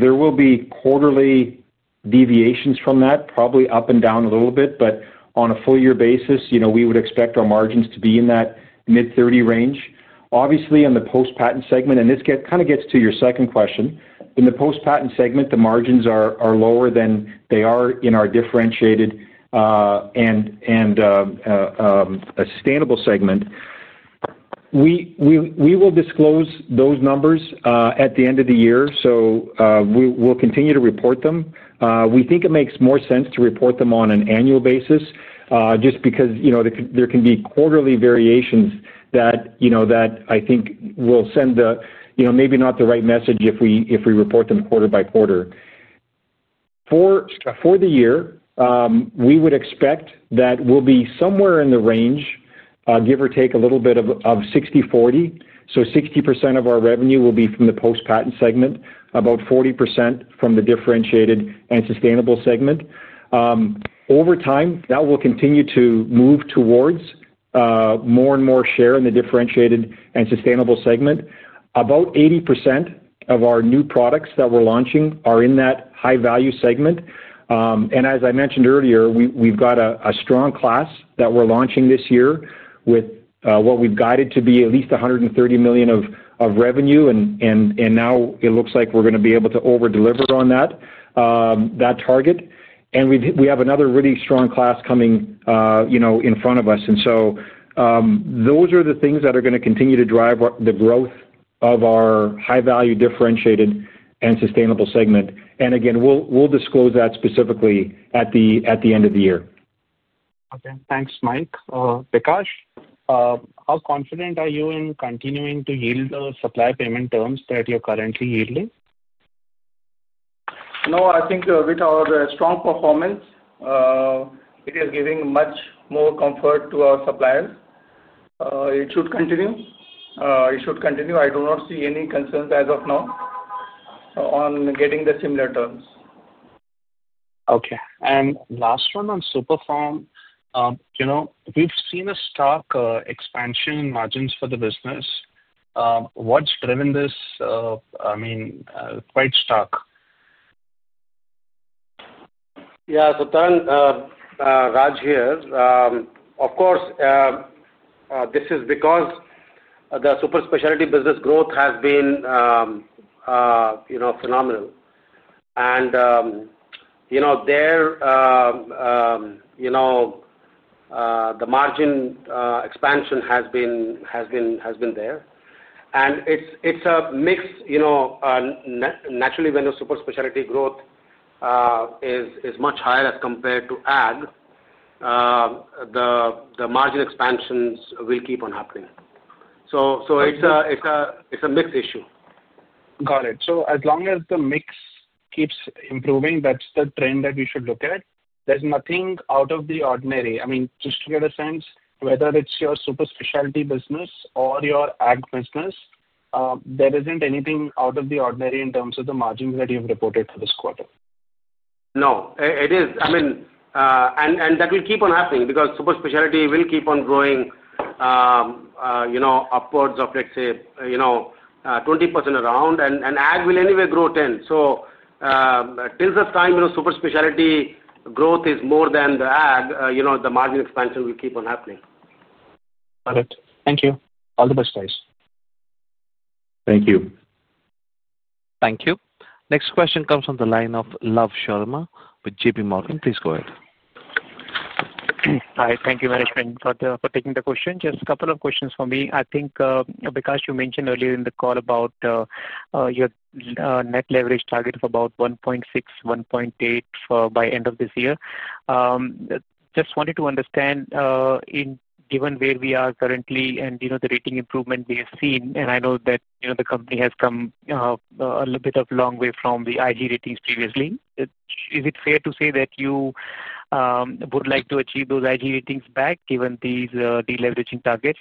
There will be quarterly deviations from that, probably up and down a little bit, but on a full-year basis, we would expect our margins to be in that mid-30% range. Obviously, in the post-patent segment, and this kind of gets to your second question, in the post-patent segment, the margins are lower than they are in our differentiated. Sustainable segment. We will disclose those numbers at the end of the year. We will continue to report them. We think it makes more sense to report them on an annual basis just because there can be quarterly variations that, I think, will send maybe not the right message if we report them quarter by quarter. For the year, we would expect that we'll be somewhere in the range, give or take a little bit, of 60/40. So 60% of our revenue will be from the post-patent segment, about 40% from the differentiated and sustainable segment. Over time, that will continue to move towards more and more share in the differentiated and sustainable segment. About 80% of our new products that we're launching are in that high-value segment. As I mentioned earlier, we've got a strong class that we're launching this year with what we've guided to be at least $130 million of revenue. Now it looks like we're going to be able to overdeliver on that target. We have another really strong class coming in front of us. Those are the things that are going to continue to drive the growth of our high-value differentiated and sustainable segment. Again, we'll disclose that specifically at the end of the year. Okay. Thanks, Mike. Bikash, how confident are you in continuing to yield the supply payment terms that you're currently yielding? No, I think with our strong performance, it is giving much more comfort to our suppliers. It should continue. It should continue. I do not see any concerns as of now on getting the similar terms. Okay. Last one on SUPERFORM. We've seen a stark expansion in margins for the business. What's driven this, I mean, quite stark? Yeah. Tarang. Raj here. Of course. This is because the super specialty business growth has been phenomenal. There, the margin expansion has been there. It's a mix. Naturally, when a super specialty growth is much higher as compared to ag, the margin expansions will keep on happening. It's a mixed issue. Got it. As long as the mix keeps improving, that's the trend that we should look at. There's nothing out of the ordinary. I mean, just to get a sense, whether it's your super specialty business or your ag business, there isn't anything out of the ordinary in terms of the margins that you've reported for this quarter. No, it is. I mean, that will keep on happening because super specialty will keep on growing. Upwards of, let's say, 20% around. And ag will anyway grow 10%. Till this time, super specialty growth is more than the ag, the margin expansion will keep on happening. Got it. Thank you. All the best, guys. Thank you. Thank you. Next question comes on the line of Love Sharma with JPMorgan. Please go ahead. Hi. Thank you, Management, for taking the question. Just a couple of questions for me. I think, Bikash, you mentioned earlier in the call about your net leverage target of about 1.6-1.8 by end of this year. Just wanted to understand, given where we are currently and the rating improvement we have seen, and I know that the company has come a little bit of a long way from the IG ratings previously. Is it fair to say that you. Would like to achieve those IG ratings back given these deleveraging targets?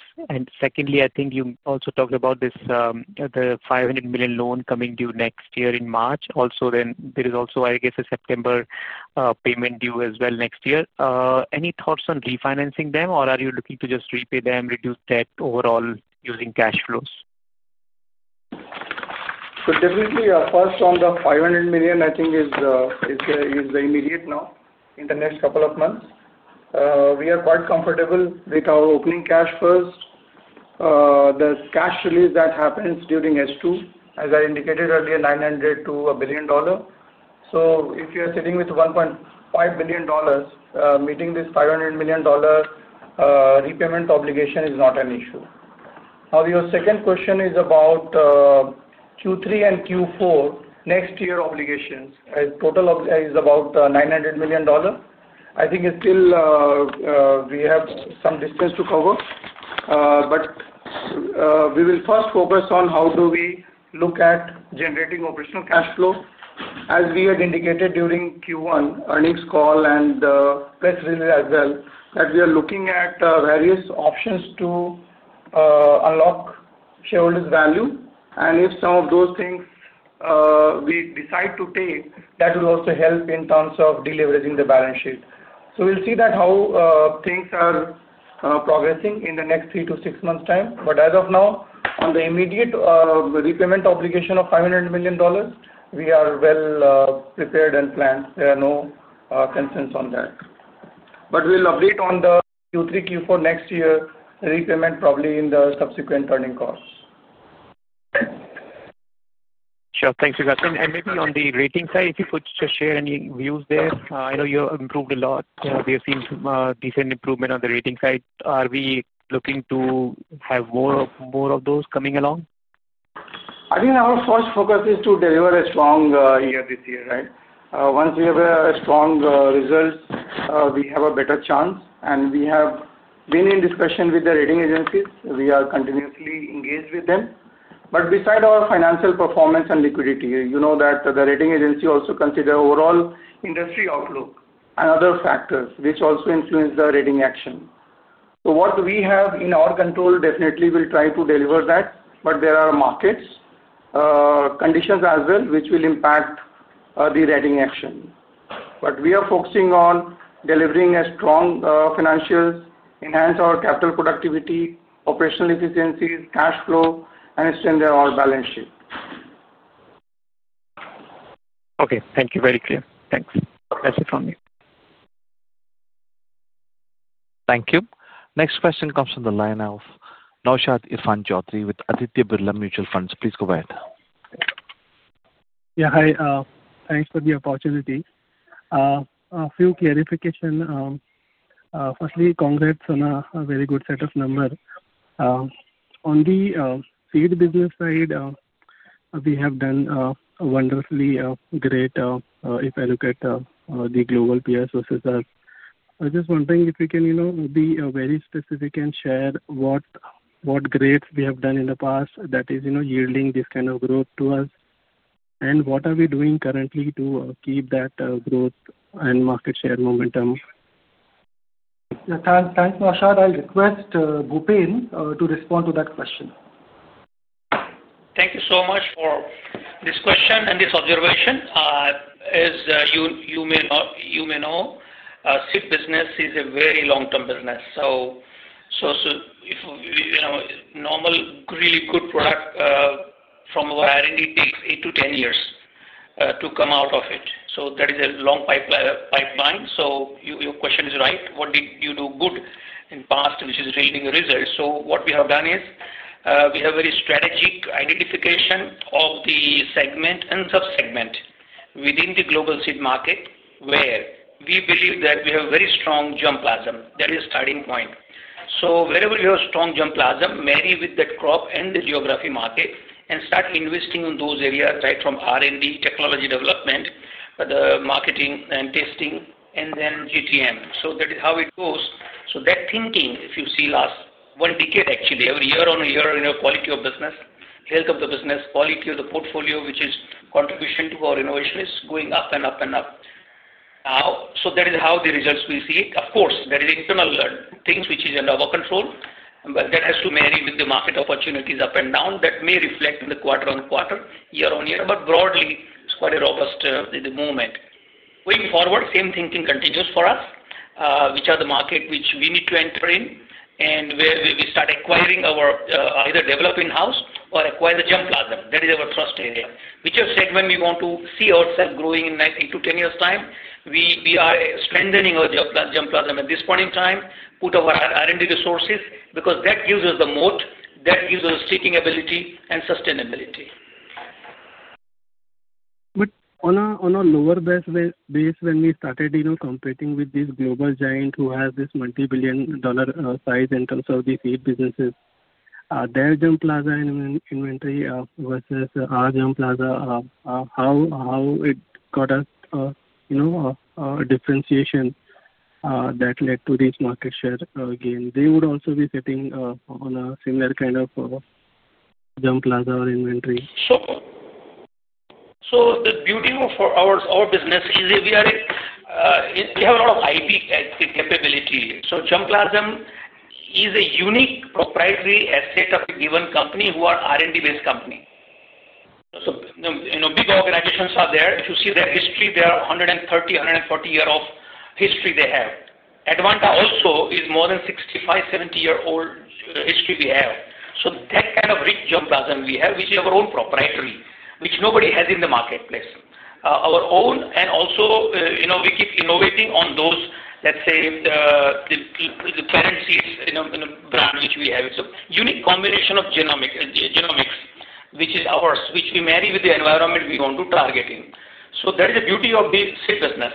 Secondly, I think you also talked about the $500 million loan coming due next year in March. Also, there is also, I guess, a September payment due as well next year. Any thoughts on refinancing them, or are you looking to just repay them, reduce debt overall using cash flows? Definitely, first, on the $500 million, I think is the immediate now in the next couple of months. We are quite comfortable with our opening cash first. The cash release that happens during S2, as I indicated earlier, $900 million to $1 billion. If you're sitting with $1.5 billion, meeting this $500 million repayment obligation is not an issue. Now, your second question is about Q3 and Q4 next year obligations. Total is about $900 million. I think it's still. We have some distance to cover. We will first focus on how do we look at generating operational cash flow. As we had indicated during Q1 earnings call and press release as well, that we are looking at various options to unlock shareholders' value. If some of those things we decide to take, that will also help in terms of deleveraging the balance sheet. We will see how things are progressing in the next three to six months' time. As of now, on the immediate repayment obligation of $500 million, we are well prepared and planned. There are no concerns on that. We will update on the Q3, Q4 next year repayment, probably in the subsequent earning calls. Sure. Thanks, Bikash. Maybe on the rating side, if you could just share any views there. I know you have improved a lot. We have seen decent improvement on the rating side. Are we looking to have more of those coming along? I think our first focus is to deliver a strong year this year, right? Once we have a strong result, we have a better chance. We have been in discussion with the rating agencies. We are continuously engaged with them. Besides our financial performance and liquidity, you know that the rating agency also considers overall industry outlook and other factors, which also influence the rating action. What we have in our control, definitely we'll try to deliver that. There are market conditions as well, which will impact the rating action. We are focusing on delivering strong financials, enhance our capital productivity, operational efficiencies, cash flow, and strengthen our balance sheet. Okay. Thank you. Very clear. Thanks. That's it from me. Thank you. Next question comes on the line of [Naushad Irfan Jyoti] with Aditya Birla Mutual Funds. Please go ahead. Yeah. Hi. Thanks for the opportunity. A few clarifications. Firstly, congrats on a very good set of numbers. On the seed business side. We have done wonderfully great if I look at the global PS versus us. I'm just wondering if we can be very specific and share what grades we have done in the past that is yielding this kind of growth to us. And what are we doing currently to keep that growth and market share momentum? Thanks, Naushad. I'll request Bhupen to respond to that question. Thank you so much for this question and this observation. As you may know. Seed business is a very long-term business. So. Normal, really good product from a variety takes 8-10 years to come out of it. That is a long pipeline. Your question is right. What did you do good in the past, which is yielding results? What we have done is we have very strategic identification of the segment and subsegment within the global seed market, where we believe that we have very strong germplasm. That is a starting point. Wherever you have strong germplasm, marry with that crop and the geography market, and start investing in those areas right from R&D, technology development, marketing and testing, and then GTM. That is how it goes. That thinking, if you see last one decade, actually, every year on a year, quality of business, health of the business, quality of the portfolio, which is contribution to our innovation, is going up and up and up. That is how the results we see it. Of course, there are internal things which are under our control, but that has to marry with the market opportunities up and down that may reflect in the quarter on quarter, year on year. Broadly, it is quite a robust movement. Going forward, same thinking continues for us, which are the markets which we need to enter in, and where we start acquiring our either develop in-house or acquire the germplasm. That is our trust area. Whichever segment we want to see ourselves growing in 8-10 years' time, we are strengthening our germplasm at this point in time, put our R&D resources, because that gives us the moat, that gives us sticking ability and sustainability. On a lower base when we started competing with this global giant who has this multi-billion dollar size in terms of the seed businesses. Their germplasm inventory versus our germplasm, how it got us. A differentiation. That led to this market share gain. They would also be sitting on a similar kind of germplasm or inventory. Sure. The beauty of our business is we have a lot of IP capability. Germplasm is a unique proprietary asset of a given company who are R&D-based company. Big organizations are there. If you see their history, they are 130, 140 years of history they have. Advanta also is more than 65, 70-year-old history we have. That kind of rich germplasm we have, which is our own proprietary, which nobody has in the marketplace. Our own, and also we keep innovating on those, let's say, the parent seed brand which we have. It's a unique combination of genomics, which is ours, which we marry with the environment we want to target in. That is the beauty of the seed business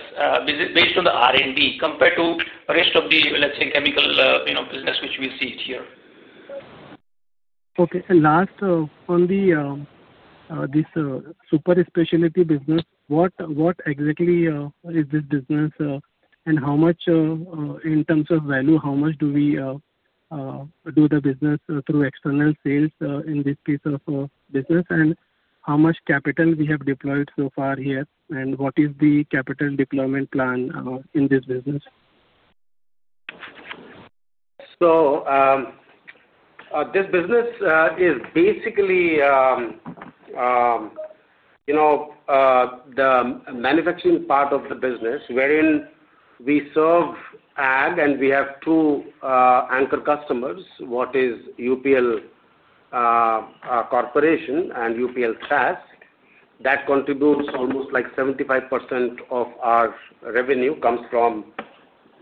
based on the R&D compared to the rest of the, let's say, chemical business which we see here. Okay. Last, on this super specialty business, what exactly is this business, and how much, in terms of value, how much do we do the business through external sales in this piece of business, and how much capital we have deployed so far here, and what is the capital deployment plan in this business? This business is basically the manufacturing part of the business, wherein we serve ag, and we have two anchor customers, one is UPL Corporation and UPL Trust. That contributes almost like 75% of our revenue comes from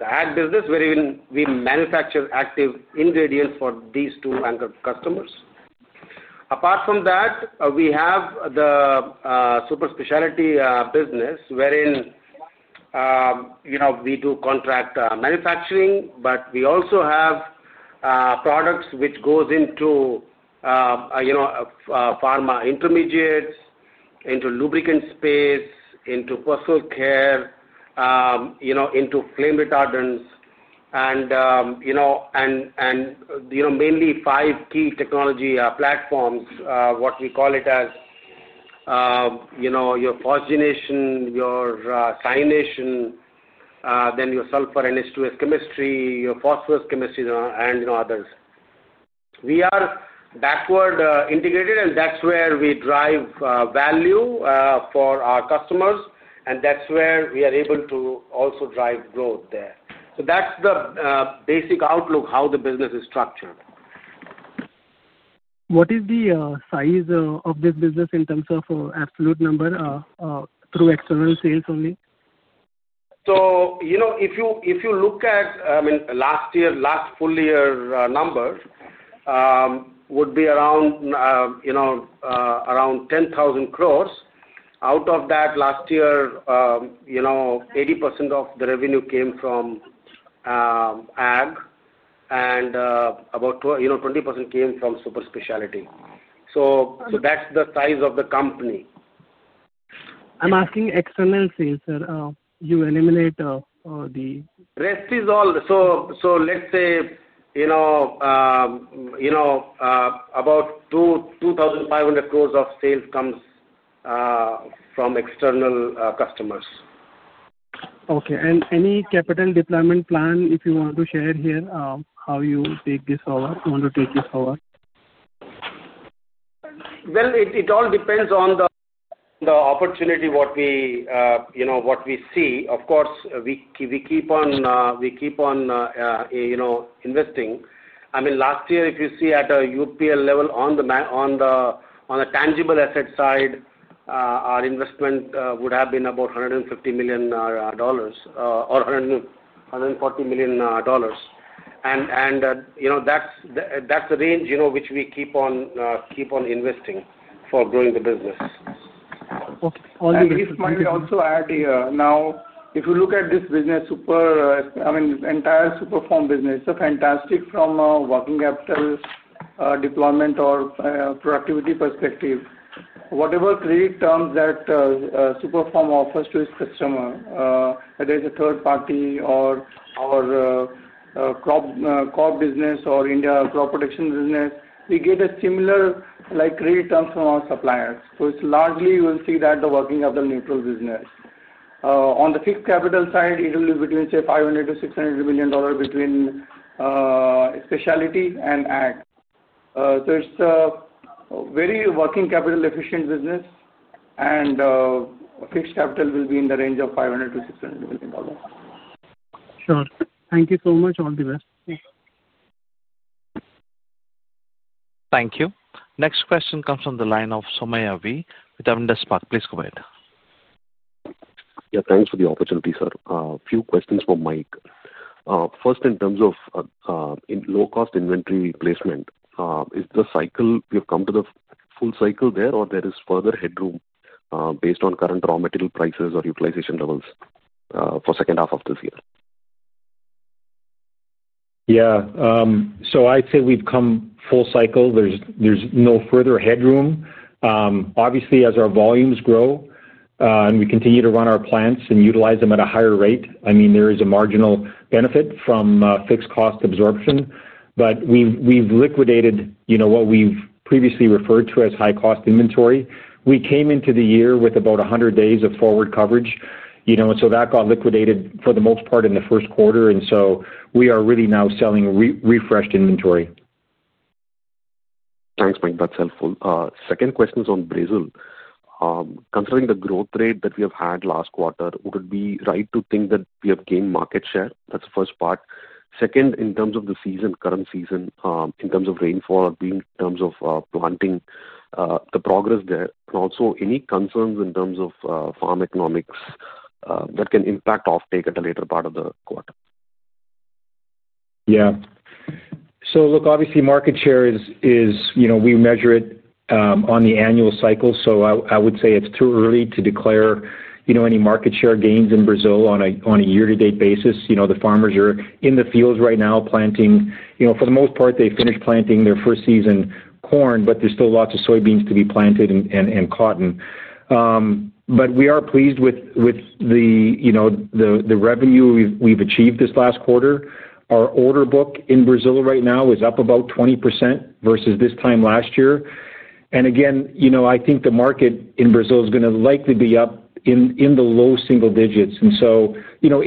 the ag business, wherein we manufacture active ingredients for these two anchor customers. Apart from that, we have the super specialty business, wherein we do contract manufacturing, but we also have. Products which go into pharma intermediates, into lubricant space, into personal care, into flame retardants, and mainly five key technology platforms, what we call it as your phosgenation, your cyanation, then your sulfur NH2S chemistry, your phosphorus chemistry, and others. We are backward integrated, and that's where we drive value for our customers, and that's where we are able to also drive growth there. That's the basic outlook, how the business is structured. What is the size of this business in terms of absolute number through external sales only? If you look at, I mean, last year, last full year number would be around 10,000 crore. Out of that, last year, 80% of the revenue came from ag, and about 20% came from super specialty. That's the size of the company. I'm asking external sales, sir. You eliminate the rest is all, so let's say. About 2,500 crore of sales comes from external customers. Okay. Any capital deployment plan, if you want to share here, how you take this over, want to take this over? It all depends on the opportunity, what we see. Of course, we keep on investing. I mean, last year, if you see at a UPL level on the tangible asset side, our investment would have been about $150 million or $140 million. That is the range which we keep on investing for growing the business. Okay. Only, if I may also add here, now, if you look at this business, I mean, entire SUPERFORM business, it is fantastic from a working capital deployment or productivity perspective. Whatever credit terms that SUPERFORM offers to its customer, whether it is a third party or crop business or India crop production business, we get similar credit terms from our suppliers. It's largely you will see that the working capital neutral business. On the fixed capital side, it will be between, say, $500 million-$600 million between specialty and ag. It's a very working capital efficient business. Fixed capital will be in the range of $500 million-$600 million. Sure. Thank you so much. All the best. Thank you. Next question comes on the line of Somaiah V with [Avindas Park]. Please go ahead. Yeah. Thanks for the opportunity, sir. A few questions for Mike. First, in terms of low-cost inventory placement, is the cycle, have we come to the full cycle there, or is there further headroom based on current raw material prices or utilization levels for the second half of this year? Yeah. I'd say we've come full cycle. There's no further headroom. Obviously, as our volumes grow and we continue to run our plants and utilize them at a higher rate, I mean, there is a marginal benefit from fixed cost absorption. We have liquidated what we have previously referred to as high-cost inventory. We came into the year with about 100 days of forward coverage. That got liquidated for the most part in the first quarter. We are really now selling refreshed inventory. Thanks, Mike. That is helpful. Second question is on Brazil. Considering the growth rate that we have had last quarter, would it be right to think that we have gained market share? That is the first part. Second, in terms of the season, current season, in terms of rainfall, in terms of planting, the progress there, and also any concerns in terms of farm economics that can impact offtake at the later part of the quarter? Yeah. Look, obviously, market share is we measure it on the annual cycle. I would say it's too early to declare any market share gains in Brazil on a year-to-date basis. The farmers are in the fields right now planting. For the most part, they finished planting their first season corn, but there's still lots of soybeans to be planted and cotton. We are pleased with the revenue we've achieved this last quarter. Our order book in Brazil right now is up about 20% versus this time last year. I think the market in Brazil is going to likely be up in the low single digits.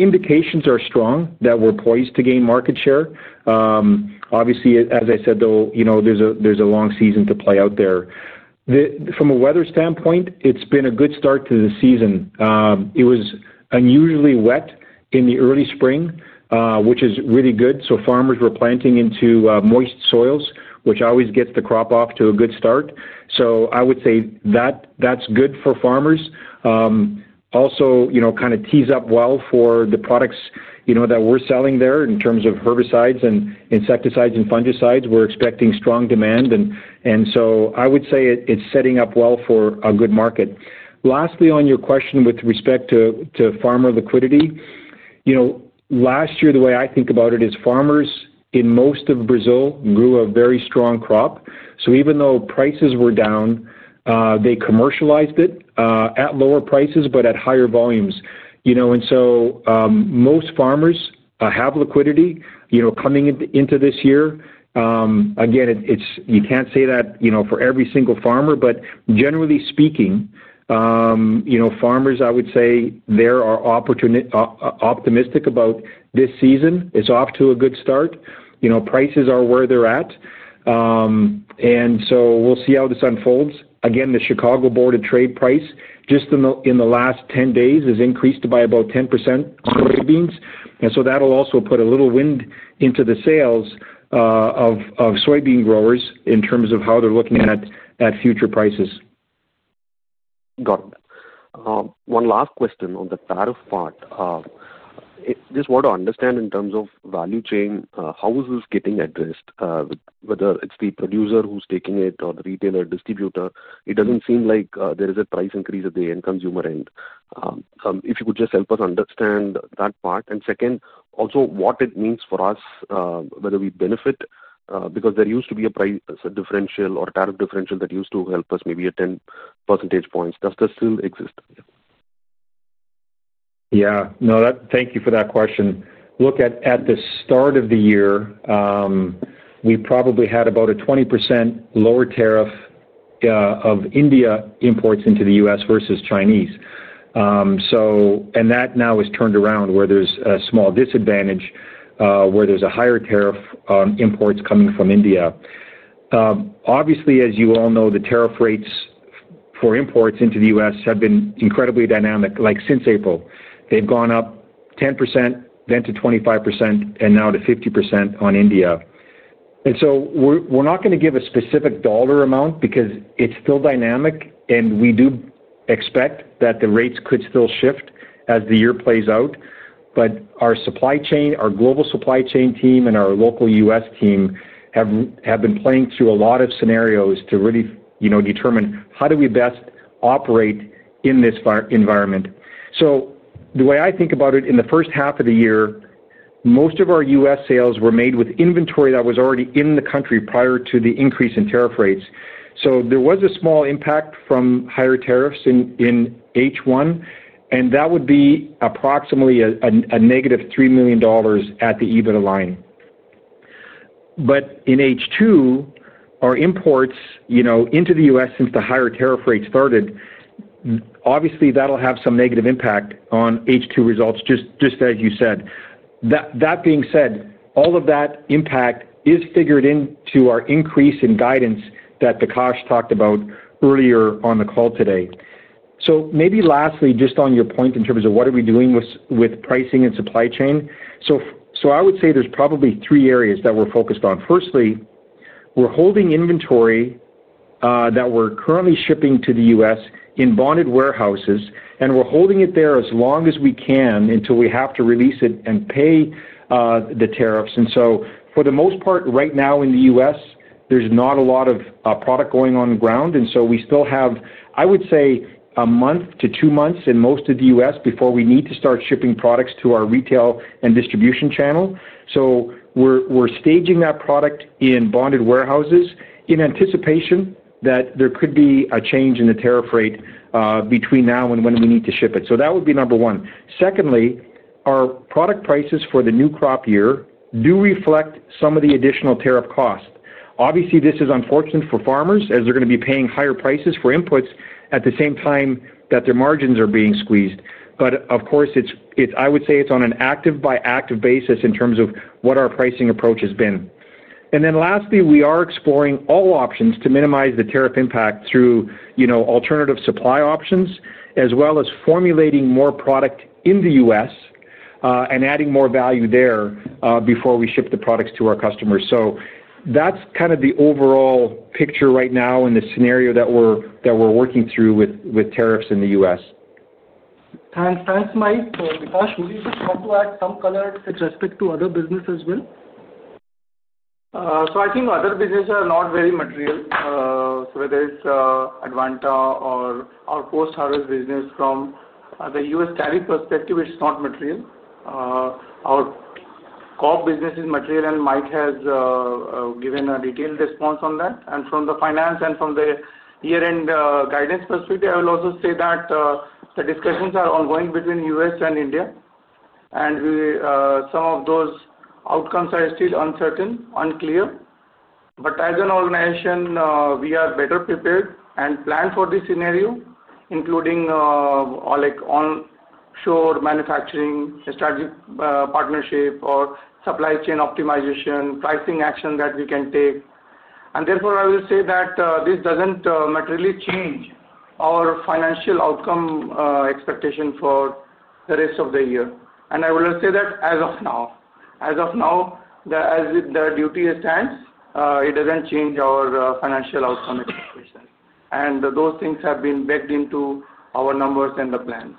Indications are strong that we're poised to gain market share. Obviously, as I said, though, there's a long season to play out there. From a weather standpoint, it's been a good start to the season. It was unusually wet in the early spring, which is really good. Farmers were planting into moist soils, which always gets the crop off to a good start. I would say that's good for farmers. Also, it kind of tees up well for the products that we're selling there in terms of herbicides and insecticides and fungicides. We're expecting strong demand. I would say it's setting up well for a good market. Lastly, on your question with respect to farmer liquidity, last year, the way I think about it is farmers in most of Brazil grew a very strong crop. Even though prices were down, they commercialized it at lower prices but at higher volumes. Most farmers have liquidity coming into this year. Again, you can't say that for every single farmer, but generally speaking. Farmers, I would say, they are optimistic about this season. It's off to a good start. Prices are where they're at. We'll see how this unfolds. The Chicago Board of Trade price just in the last 10 days has increased by about 10% on soybeans. That'll also put a little wind into the sails of soybean growers in terms of how they're looking at future prices. Got it. One last question on the tariff part. Just want to understand in terms of value chain, how is this getting addressed, whether it's the producer who's taking it or the retailer distributor? It doesn't seem like there is a price increase at the end consumer end. If you could just help us understand that part. Second, also what it means for us, whether we benefit, because there used to be a price differential or tariff differential that used to help us maybe at 10 percentage points. Does that still exist? Yeah. No, thank you for that question. Look, at the start of the year, we probably had about a 20% lower tariff of India imports into the U.S. versus Chinese. That now has turned around where there is a small disadvantage where there is a higher tariff on imports coming from India. Obviously, as you all know, the tariff rates for imports into the U.S. have been incredibly dynamic since April. They have gone up 10%, then to 25%, and now to 50% on India. We are not going to give a specific dollar amount because it is still dynamic, and we do expect that the rates could still shift as the year plays out. Our global supply chain team and our local US team have been playing through a lot of scenarios to really determine how do we best operate in this environment. The way I think about it, in the first half of the year, most of our US sales were made with inventory that was already in the country prior to the increase in tariff rates. There was a small impact from higher tariffs in H1, and that would be approximately a negative $3 million at the EBITDA line. In H2, our imports into the US since the higher tariff rate started, obviously, that'll have some negative impact on H2 results, just as you said. That being said, all of that impact is figured into our increase in guidance that Bikash talked about earlier on the call today. Maybe lastly, just on your point in terms of what are we doing with pricing and supply chain, I would say there's probably three areas that we're focused on. Firstly, we're holding inventory that we're currently shipping to the U.S. in bonded warehouses, and we're holding it there as long as we can until we have to release it and pay the tariffs. For the most part, right now in the U.S., there's not a lot of product going on the ground. We still have, I would say, a month to two months in most of the U.S. before we need to start shipping products to our retail and distribution channel. We're staging that product in bonded warehouses in anticipation that there could be a change in the tariff rate between now and when we need to ship it. That would be number one. Secondly, our product prices for the new crop year do reflect some of the additional tariff cost. Obviously, this is unfortunate for farmers as they're going to be paying higher prices for inputs at the same time that their margins are being squeezed. Of course, I would say it's on an active-by-active basis in terms of what our pricing approach has been. Lastly, we are exploring all options to minimize the tariff impact through alternative supply options, as well as formulating more product in the U.S. and adding more value there before we ship the products to our customers. That is kind of the overall picture right now in the scenario that we're working through with tariffs in the U.S. Thanks. Thanks, Mike. Bikash, would you just want to add some color with respect to other business as well? I think other businesses are not very material. Whether it's Advanta or our post-harvest business from the U.S. tariff perspective, it's not material. Our COP business is material, and Mike has given a detailed response on that. From the finance and from the year-end guidance perspective, I will also say that the discussions are ongoing between the U.S. and India. Some of those outcomes are still uncertain, unclear. As an organization, we are better prepared and plan for this scenario, including onshore manufacturing, strategic partnership, or supply chain optimization, pricing action that we can take. Therefore, I will say that this doesn't materially change our financial outcome expectation for the rest of the year. I will say that as of now, as the duty stands, it doesn't change our financial outcome expectations. Those things have been baked into our numbers and the plans.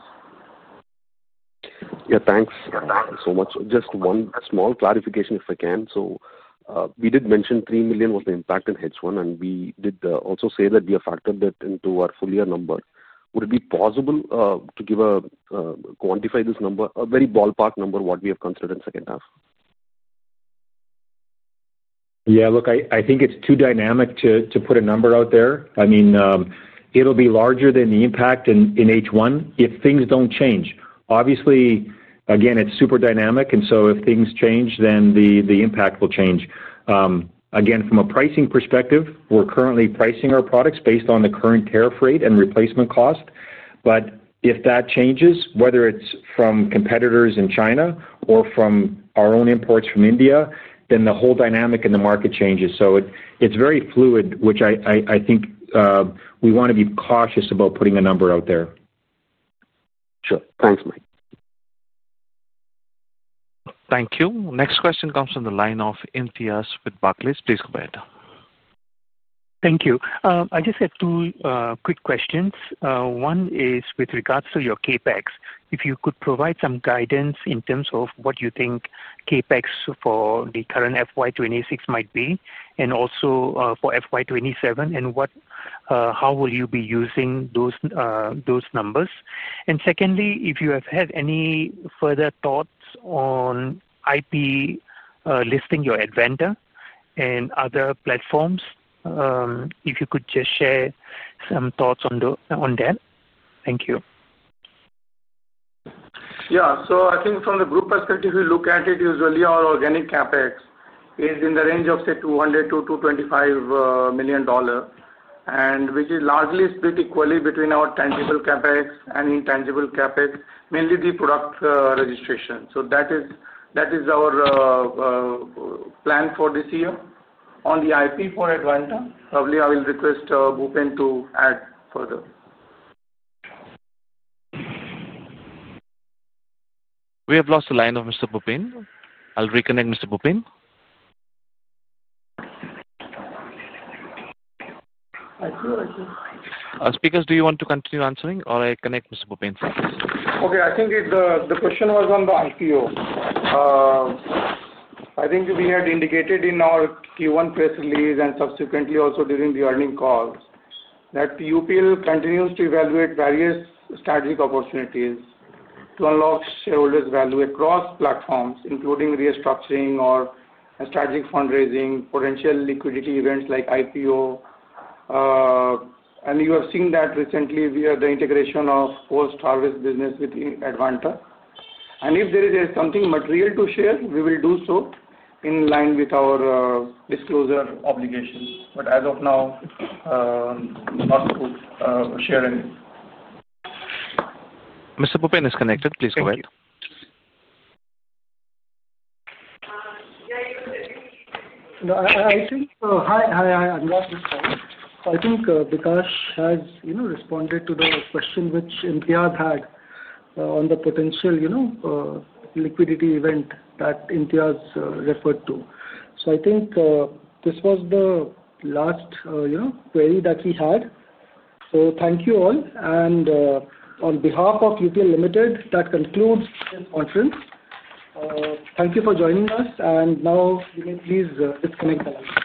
Yeah. Thanks so much. Just one small clarification, if I can. We did mention $3 million was the impact in H1, and we did also say that we have factored that into our full year number. Would it be possible to quantify this number, a very ballpark number, what we have considered in the second half? Yeah. Look, I think it's too dynamic to put a number out there. I mean, it'll be larger than the impact in H1 if things don't change. Obviously, again, it's super dynamic. If things change, then the impact will change. Again, from a pricing perspective, we're currently pricing our products based on the current tariff rate and replacement cost. If that changes, whether it's from competitors in China or from our own imports from India, then the whole dynamic in the market changes. It is very fluid, which I think we want to be cautious about putting a number out there. Sure. Thanks, Mike. Thank you. Next question comes on the line of [NTS] with Barclays. Please go ahead. Thank you. I just have two quick questions. One is with regards to your CapEx. If you could provide some guidance in terms of what you think CapEx for the current FY2026 might be, and also for FY2027, and how you will be using those numbers. Secondly, if you have had any further thoughts on IPO listing your Advanta and other platforms, if you could just share some thoughts on that. Thank you. Yeah. I think from the group perspective, if you look at it, usually our organic CapEx is in the range of $200 million-$225 million, which is largely split equally between our tangible CapEx and intangible CapEx, mainly the product registration. That is our plan for this year. On the IP for Advanta, probably I will request Bhupen to add further. We have lost the line of Mr. Bhupen. I'll reconnect Mr. Bhupen. Speakers, do you want to continue answering, or I connect Mr. Bhupen first? Okay. I think the question was on the IPO. I think we had indicated in our Q1 press release and subsequently also during the earnings calls that UPL continues to evaluate various strategic opportunities to unlock shareholders' value across platforms, including restructuring or strategic fundraising, potential liquidity events like IPO. You have seen that recently via the integration of post-harvest business with Advanta. If there is something material to share, we will do so in line with our disclosure obligations. As of now, not to share any. Mr. Bhupen is connected. Please go ahead. Thank you. Yeah. Hi. Hi. Anurag this side. I think Bikash has responded to the question which NTS had on the potential liquidity event that [NTS] referred to. I think this was the last query that he had. Thank you all. On behalf of UPL Limited, that concludes this conference. Thank you for joining us. You may please disconnect the line.